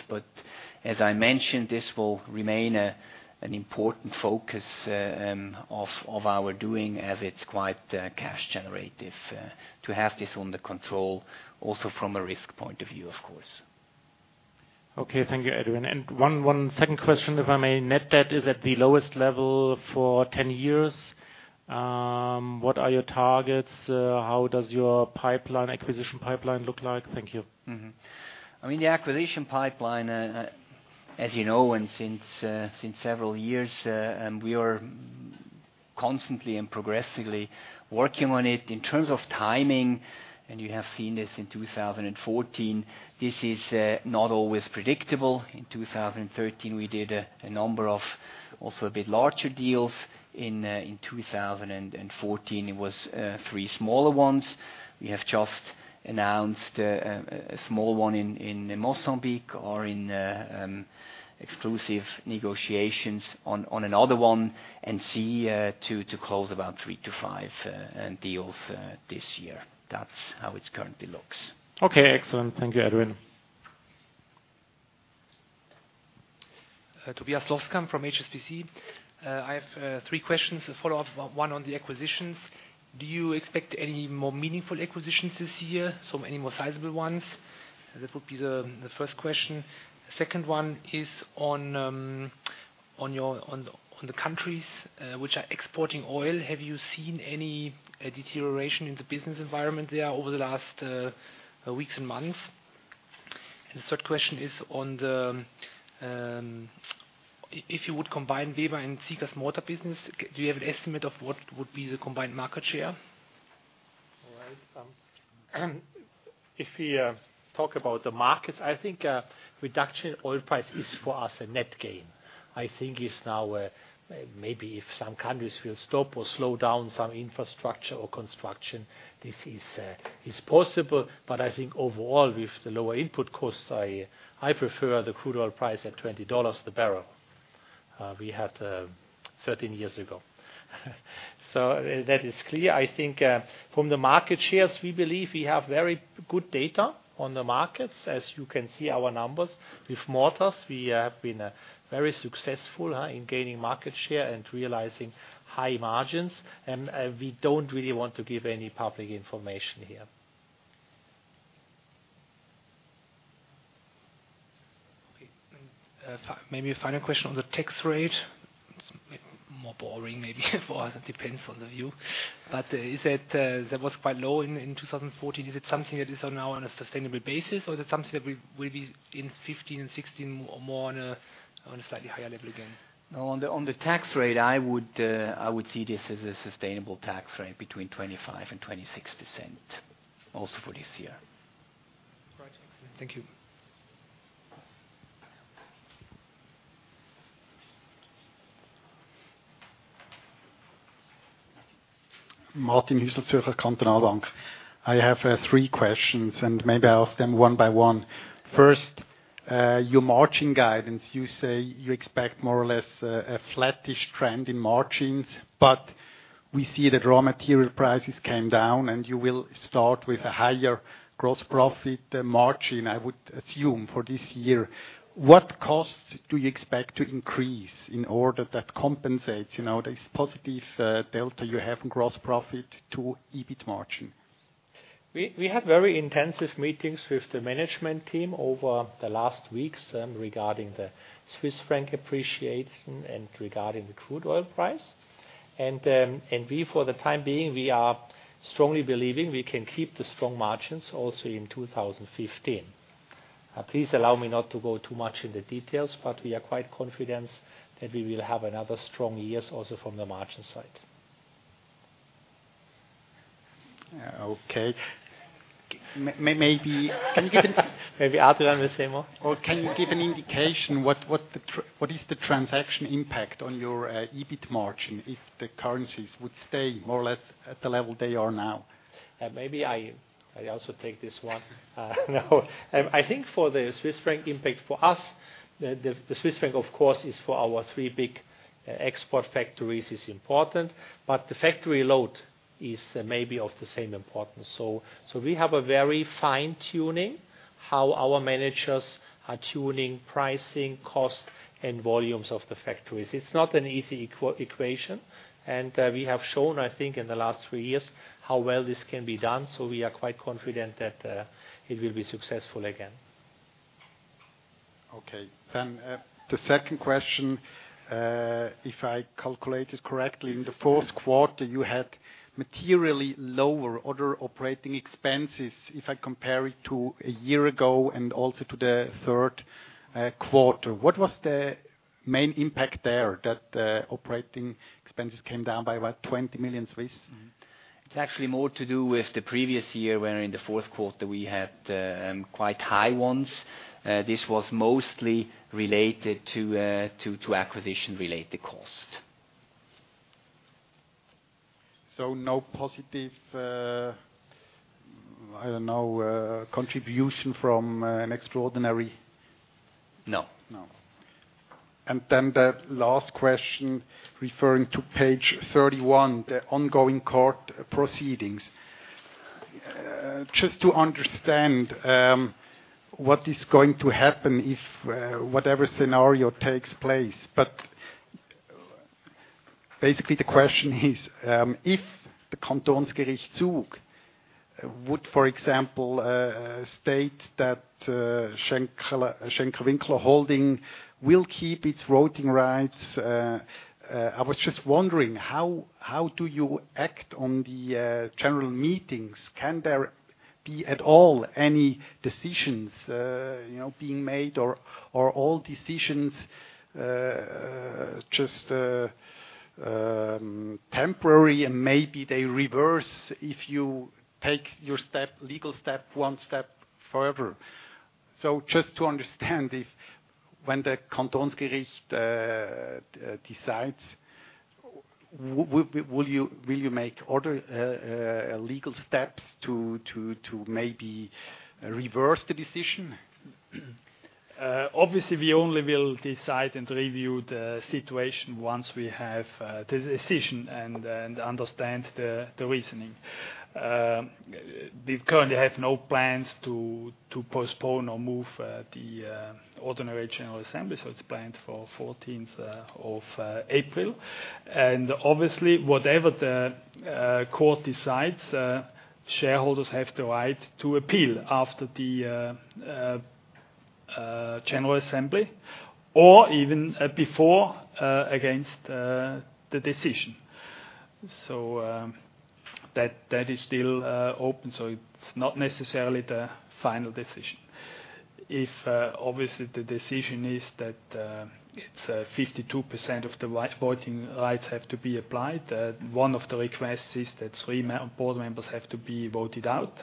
As I mentioned, this will remain an important focus of our doing as it's quite cash generative to have this under control also from a risk point of view, of course. Okay. Thank you, Adrian. One second question, if I may. Net debt is at the lowest level for 10 years. What are your targets? How does your acquisition pipeline look like? Thank you. I mean, the acquisition pipeline, as you know, since several years, we are constantly and progressively working on it. In terms of timing, you have seen this in 2014, this is not always predictable. In 2013, we did a number of also a bit larger deals. In 2014, it was three smaller ones. We have just announced a small one in Mozambique or in exclusive negotiations on another one and see to close about three to five deals this year. That's how it currently looks. Okay, excellent. Thank you, Adrian. Tobias Loskamp from HSBC. I have three questions. A follow-up, one on the acquisitions. Do you expect any more meaningful acquisitions this year, so any more sizable ones? That would be the first question. The second one is on the countries which are exporting oil, have you seen any deterioration in the business environment there over the last weeks and months? The third question is on the, if you would combine Weber and Sika's mortar business, do you have an estimate of what would be the combined market share? If we talk about the markets, I think reduction oil price is for us a net gain. I think it's now maybe if some countries will stop or slow down some infrastructure or construction, this is possible. I think overall, with the lower input costs, I prefer the crude oil price at $20 the barrel we had 13 years ago. That is clear. I think from the market shares, we believe we have very good data on the markets. As you can see our numbers with mortars, we have been very successful in gaining market share and realizing high margins. We don't really want to give any public information here. Okay. Maybe a final question on the tax rate. It's more boring maybe for us, it depends on the view. You said that was quite low in 2014. Is it something that is now on a sustainable basis, or is it something that will be in 2015 and 2016 or more on a slightly higher level again? On the tax rate, I would see this as a sustainable tax rate between 25% and 26% also for this year. Right. Excellent. Thank you. Martin Huesler, Zürcher Kantonalbank. I have three questions. Maybe I'll ask them one by one. First, your margin guidance, you say you expect more or less a flattish trend in margins. We see that raw material prices came down. You will start with a higher gross profit margin, I would assume, for this year. What costs do you expect to increase in order that compensates this positive delta you have in gross profit to EBIT margin? We had very intensive meetings with the management team over the last weeks regarding the Swiss franc appreciation and regarding the crude oil price. We, for the time being, we are strongly believing we can keep the strong margins also in 2015. Please allow me not to go too much in the details. We are quite confident that we will have another strong year also from the margin side. Okay. Maybe Maybe Adrian will say more. Can you give an indication what is the transaction impact on your EBIT margin if the currencies would stay more or less at the level they are now? Maybe I also take this one. No. I think for the Swiss franc impact for us, the Swiss franc, of course, is for our three big export factories is important, but the factory load is maybe of the same importance. We have a very fine-tuning how our managers are tuning pricing, cost, and volumes of the factories. It's not an easy equation, and we have shown, I think, in the last three years how well this can be done. We are quite confident that it will be successful again. Okay. The second question, if I calculated correctly, in the fourth quarter, you had materially lower operating expenses if I compare it to a year ago and also to the third quarter. What was the main impact there that operating expenses came down by about 20 million? It's actually more to do with the previous year, where in the fourth quarter we had quite high ones. This was mostly related to acquisition-related cost. No positive, I don't know, contribution from an extraordinary. No. No. The last question, referring to page 31, the ongoing court proceedings. Just to understand what is going to happen if whatever scenario takes place. Basically, the question is, if the Kantonsgericht Zug would, for example, state that Schenker-Winkler Holding will keep its voting rights, I was just wondering, how do you act on the general meetings? Can there be at all any decisions being made or are all decisions just temporary and maybe they reverse if you take your legal step one step further? Just to understand if, when the Kantonsgericht decides, will you make other legal steps to maybe reverse the decision? Obviously, we only will decide and review the situation once we have the decision and understand the reasoning. We currently have no plans to postpone or move the ordinary general assembly, so it's planned for 14th of April. Obviously, whatever the court decides, shareholders have the right to appeal after the general assembly or even before, against the decision. That is still open, so it's not necessarily the final decision. If, obviously, the decision is that it's 52% of the voting rights have to be applied, one of the requests is that three board members have to be voted out.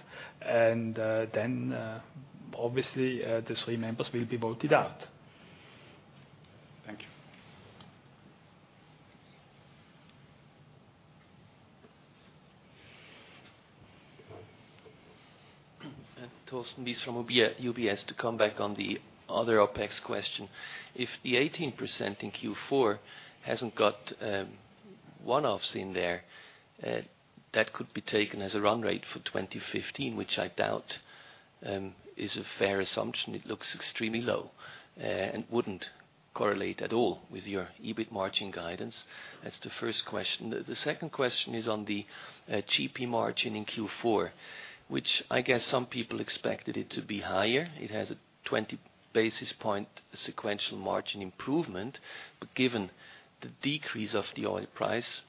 Obviously, the three members will be voted out. Thank you. [Thorsten Bies] from UBS. To come back on the other OpEx question. If the 18% in Q4 hasn't got one-offs in there, that could be taken as a run rate for 2015, which I doubt is a fair assumption. It looks extremely low and wouldn't correlate at all with your EBIT margin guidance. That's the first question. The second question is on the GP margin in Q4, which I guess some people expected it to be higher. It has a 20-basis point sequential margin improvement. Given the decrease of the oil price,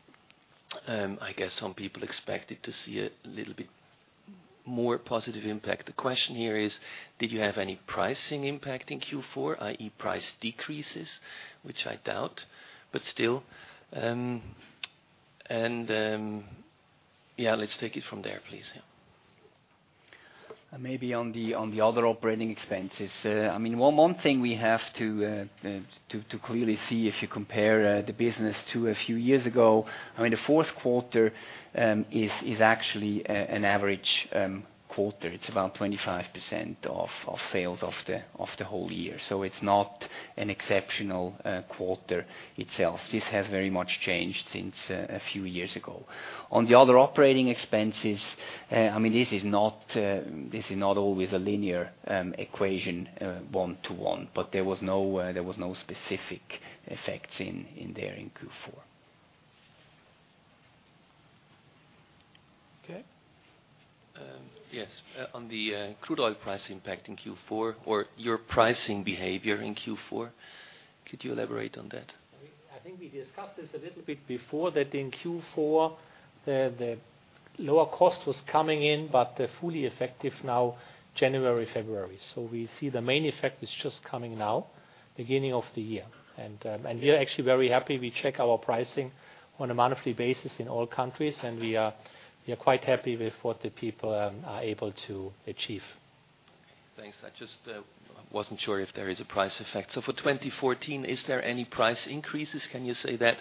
I guess some people expected to see a little bit more positive impact. The question here is, did you have any pricing impact in Q4, i.e., price decreases, which I doubt. Let's take it from there, please. Maybe on the other operating expenses. One thing we have to clearly see if you compare the business to a few years ago, the fourth quarter is actually an average quarter. It's about 25% of sales of the whole year. It's not an exceptional quarter itself. This has very much changed since a few years ago. On the other operating expenses, this is not always a linear equation, one to one. There was no specific effects in there in Q4. Okay. Yes. On the crude oil price impact in Q4 or your pricing behavior in Q4, could you elaborate on that? I think we discussed this a little bit before, that in Q4, the lower cost was coming in, but fully effective now January, February. We see the main effect is just coming now, beginning of the year. We are actually very happy. We check our pricing on a monthly basis in all countries, and we are quite happy with what the people are able to achieve. Thanks. I just wasn't sure if there is a price effect. For 2014, is there any price increases? Can you say that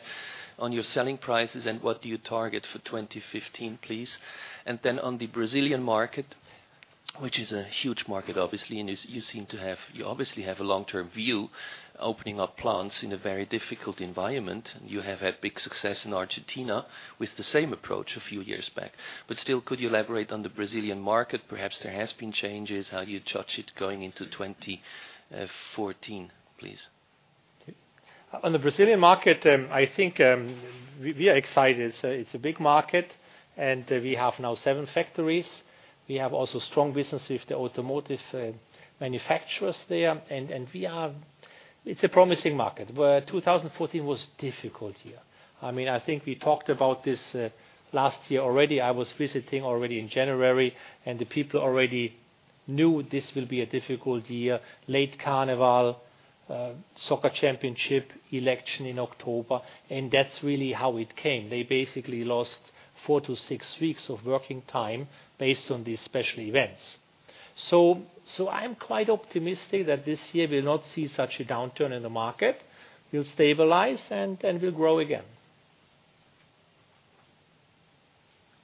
on your selling prices and what do you target for 2015, please? On the Brazilian market, which is a huge market, obviously, and you obviously have a long-term view, opening up plants in a very difficult environment. You have had big success in Argentina with the same approach a few years back. Still, could you elaborate on the Brazilian market? Perhaps there has been changes, how you judge it going into 2014, please. On the Brazilian market, I think we are excited. It's a big market and we have now seven factories. We have also strong business with the automotive manufacturers there. It's a promising market. 2014 was difficult here. I think we talked about this last year already. I was visiting already in January, and the people already knew this will be a difficult year. Late carnival, soccer championship, election in October, that's really how it came. They basically lost four to six weeks of working time based on these special events. I am quite optimistic that this year will not see such a downturn in the market. We'll stabilize and we'll grow again.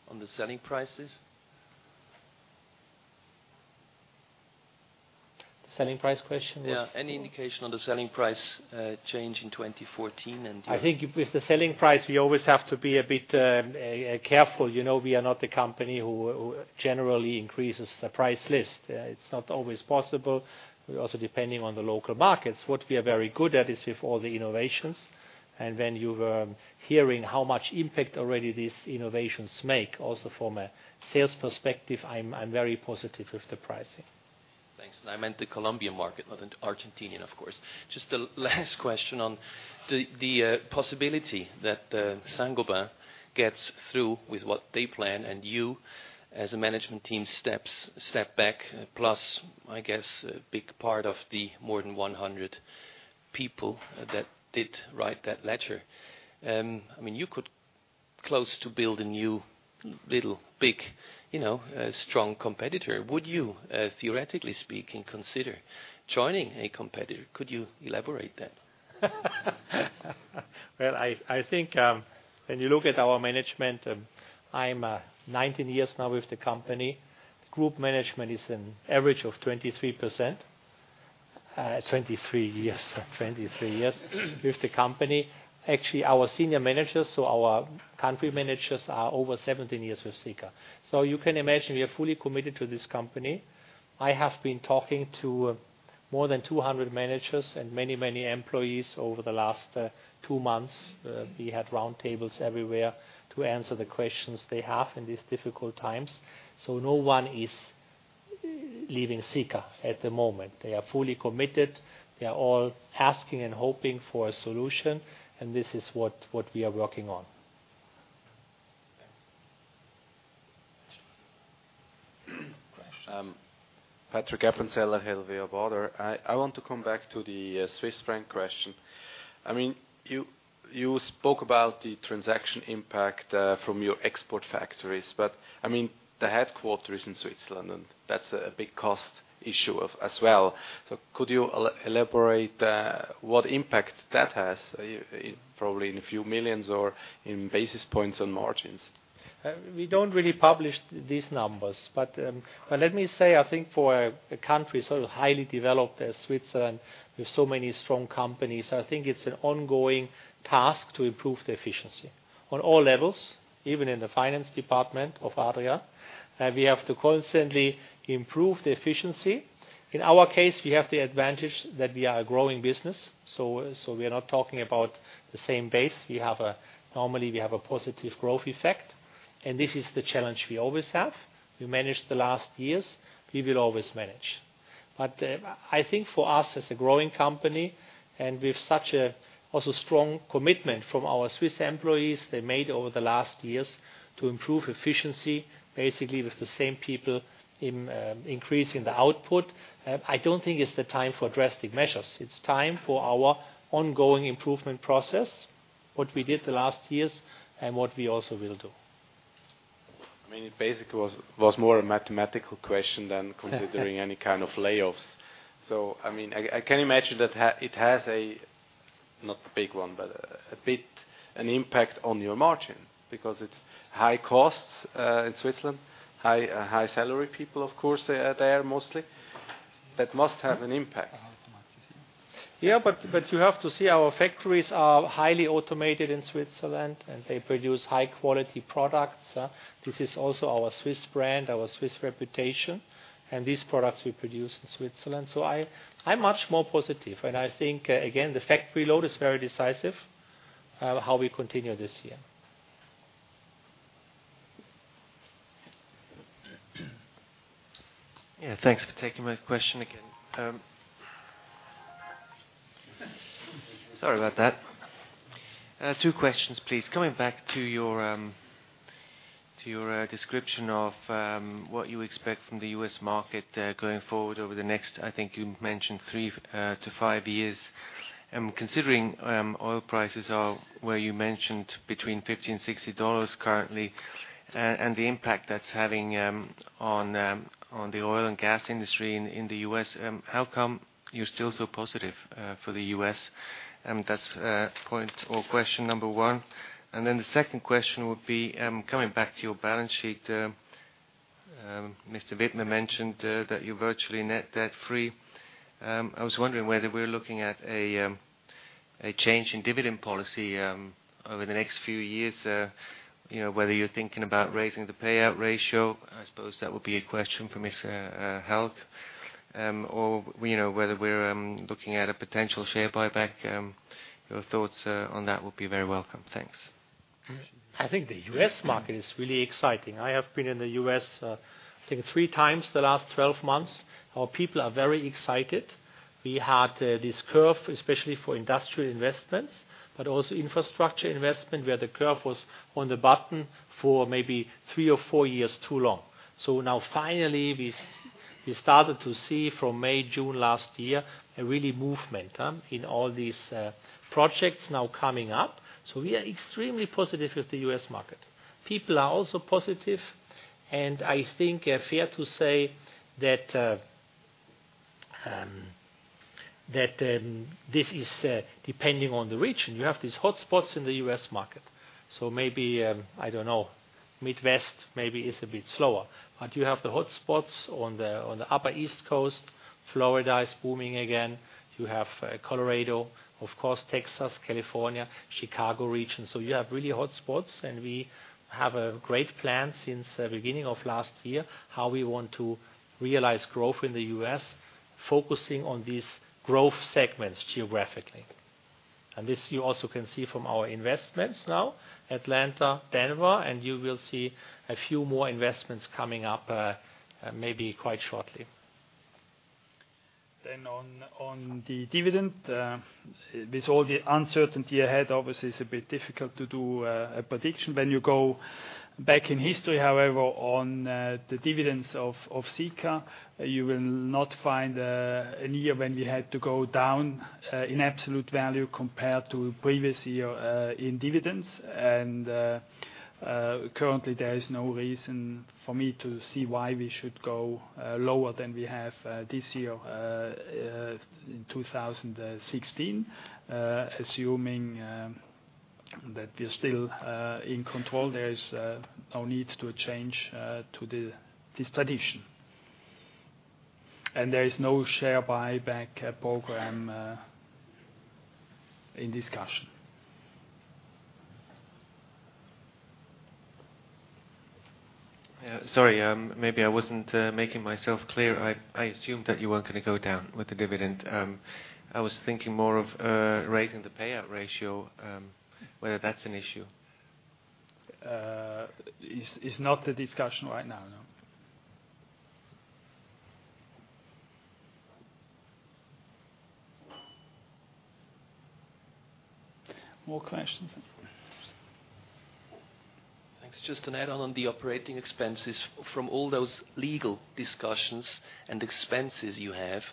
On the selling prices? The selling price question? Yeah. Any indication on the selling price change in 2014 and- I think with the selling price, we always have to be a bit careful. We are not the company who generally increases the price list. It's not always possible. We're also depending on the local markets. What we are very good at is with all the innovations, and when you were hearing how much impact already these innovations make, also from a sales perspective, I'm very positive with the pricing. Thanks. I meant the Colombian market, not Argentinian, of course. Just a last question on the possibility that Saint-Gobain gets through with what they plan and you as a management team step back, plus, I guess a big part of the more than 100 people that did write that letter. You could close to build a new, little, big, strong competitor. Would you, theoretically speaking, consider joining a competitor? Could you elaborate that? Well, I think, when you look at our management, I'm 19 years now with the company. Group management is an average of 23 years with the company. Actually, our senior managers, so our country managers are over 17 years with Sika. You can imagine we are fully committed to this company. I have been talking to more than 200 managers and many employees over the last two months. We had round tables everywhere to answer the questions they have in these difficult times. No one is leaving Sika at the moment. They are fully committed. They are all asking and hoping for a solution, and this is what we are working on. Questions. Patrick Ebenzeller, Baader Helvea. I want to come back to the Swiss franc question. You spoke about the transaction impact from your export factories, but the headquarters in Switzerland, and that's a big cost issue as well. Could you elaborate what impact that has, probably in a few millions or in basis points on margins? We don't really publish these numbers. Let me say, I think for a country sort of highly developed as Switzerland, with so many strong companies, I think it's an ongoing task to improve the efficiency on all levels, even in the finance department of. [inaudible] We have to constantly improve the efficiency. In our case, we have the advantage that we are a growing business, so we are not talking about the same base. Normally, we have a positive growth effect, and this is the challenge we always have. We managed the last years, we will always manage. I think for us, as a growing company, and with such a also strong commitment from our Swiss employees they made over the last years to improve efficiency, basically with the same people increasing the output, I don't think it's the time for drastic measures. It's time for our ongoing improvement process, what we did the last years and what we also will do. It basically was more a mathematical question than considering any kind of layoffs. I can imagine that it has a, not a big one, but a bit an impact on your margin because it's high costs, in Switzerland, high salary people, of course, are there mostly. That must have an impact. You have to see our factories are highly automated in Switzerland, and they produce high-quality products. This is also our Swiss brand, our Swiss reputation, and these products we produce in Switzerland. I'm much more positive, and I think, again, the factory load is very decisive how we continue this year. thanks for taking my question again. Sorry about that. Two questions, please. Coming back to your description of what you expect from the U.S. market, going forward over the next, I think you mentioned three to five years. Considering oil prices are where you mentioned between 50 and CHF 60 currently, and the impact that's having on the oil and gas industry in the U.S., how come you're still so positive for the U.S.? That's point or question number one. The second question would be, coming back to your balance sheet, Mr. Widmer mentioned that you're virtually net debt free. I was wondering whether we're looking at a change in dividend policy over the next few years, whether you're thinking about raising the payout ratio. I suppose that would be a question for Mr. Hälg. Whether we're looking at a potential share buyback. Your thoughts on that would be very welcome. Thanks. I think the U.S. market is really exciting. I have been in the U.S. I think three times the last 12 months. Our people are very excited. We had this curve, especially for industrial investments, but also infrastructure investment, where the curve was on the button for maybe three or four years too long. Now finally, we started to see from May, June last year, a really movement in all these projects now coming up. We are extremely positive with the U.S. market. People are also positive, and I think fair to say that this is depending on the region. You have these hotspots in the U.S. market. Maybe, I don't know, Midwest maybe is a bit slower. You have the hotspots on the Upper East Coast. Florida is booming again. You have Colorado, of course, Texas, California, Chicago region. You have really hotspots. We have a great plan since the beginning of last year, how we want to realize growth in the U.S., focusing on these growth segments geographically. This you also can see from our investments now, Atlanta, Denver. You will see a few more investments coming up, maybe quite shortly. On the dividend, with all the uncertainty ahead, obviously, it's a bit difficult to do a prediction. When you go back in history, however, on the dividends of Sika, you will not find a year when we had to go down in absolute value compared to previous year in dividends. Currently, there is no reason for me to see why we should go lower than we have this year, in 2016. Assuming that we are still in control, there is no need to change this tradition. There is no share buyback program in discussion. Sorry. Maybe I wasn't making myself clear. I assumed that you weren't going to go down with the dividend. I was thinking more of raising the payout ratio, whether that's an issue. It's not a discussion right now. More questions? Thanks. Just to add on the operating expenses, from all those legal discussions and expenses you have,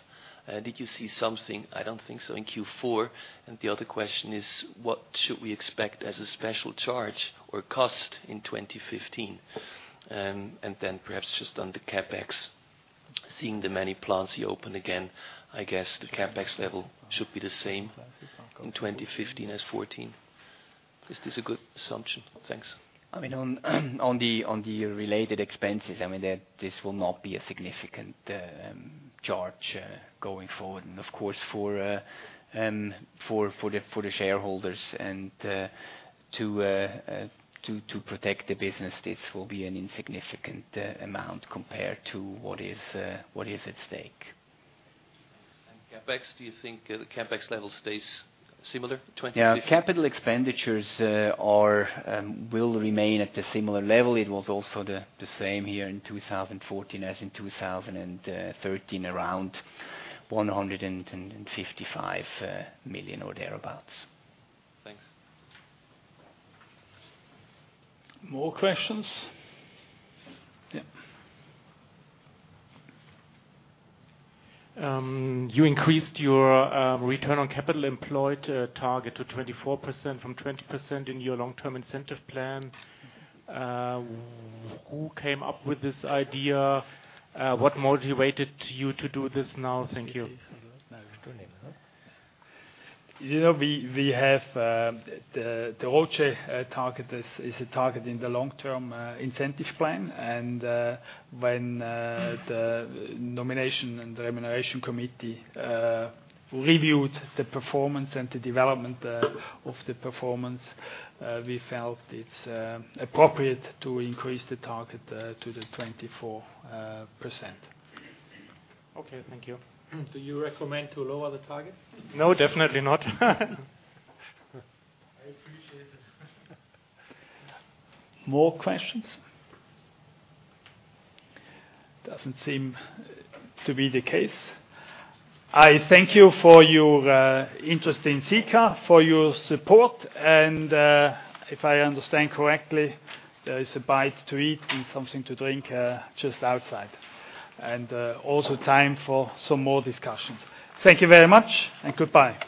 did you see something? I don't think so in Q4. The other question is what should we expect as a special charge or cost in 2015? Perhaps just on the CapEx, seeing the many plants you open again, I guess the CapEx level should be the same in 2015 as 2014. Is this a good assumption? Thanks. On the related expenses, this will not be a significant charge going forward. Of course, for the shareholders and to protect the business, this will be an insignificant amount compared to what is at stake. CapEx, do you think the CapEx level stays similar, 2015? Yeah. Capital expenditures will remain at the similar level. It was also the same year in 2014 as in 2013, around 155 million or thereabouts. Thanks. More questions? Yeah. You increased your return on capital employed target to 24% from 20% in your long-term incentive plan. Who came up with this idea? What motivated you to do this now? Thank you. We have the ROCE target is a target in the long-term incentive plan, and when the nomination and the remuneration committee reviewed the performance and the development of the performance, we felt it's appropriate to increase the target to the 24%. Okay, thank you. Do you recommend to lower the target? No, definitely not. I appreciate it. More questions? Doesn't seem to be the case. I thank you for your interest in Sika, for your support, and if I understand correctly, there is a bite to eat and something to drink just outside. Also time for some more discussions. Thank you very much, and goodbye.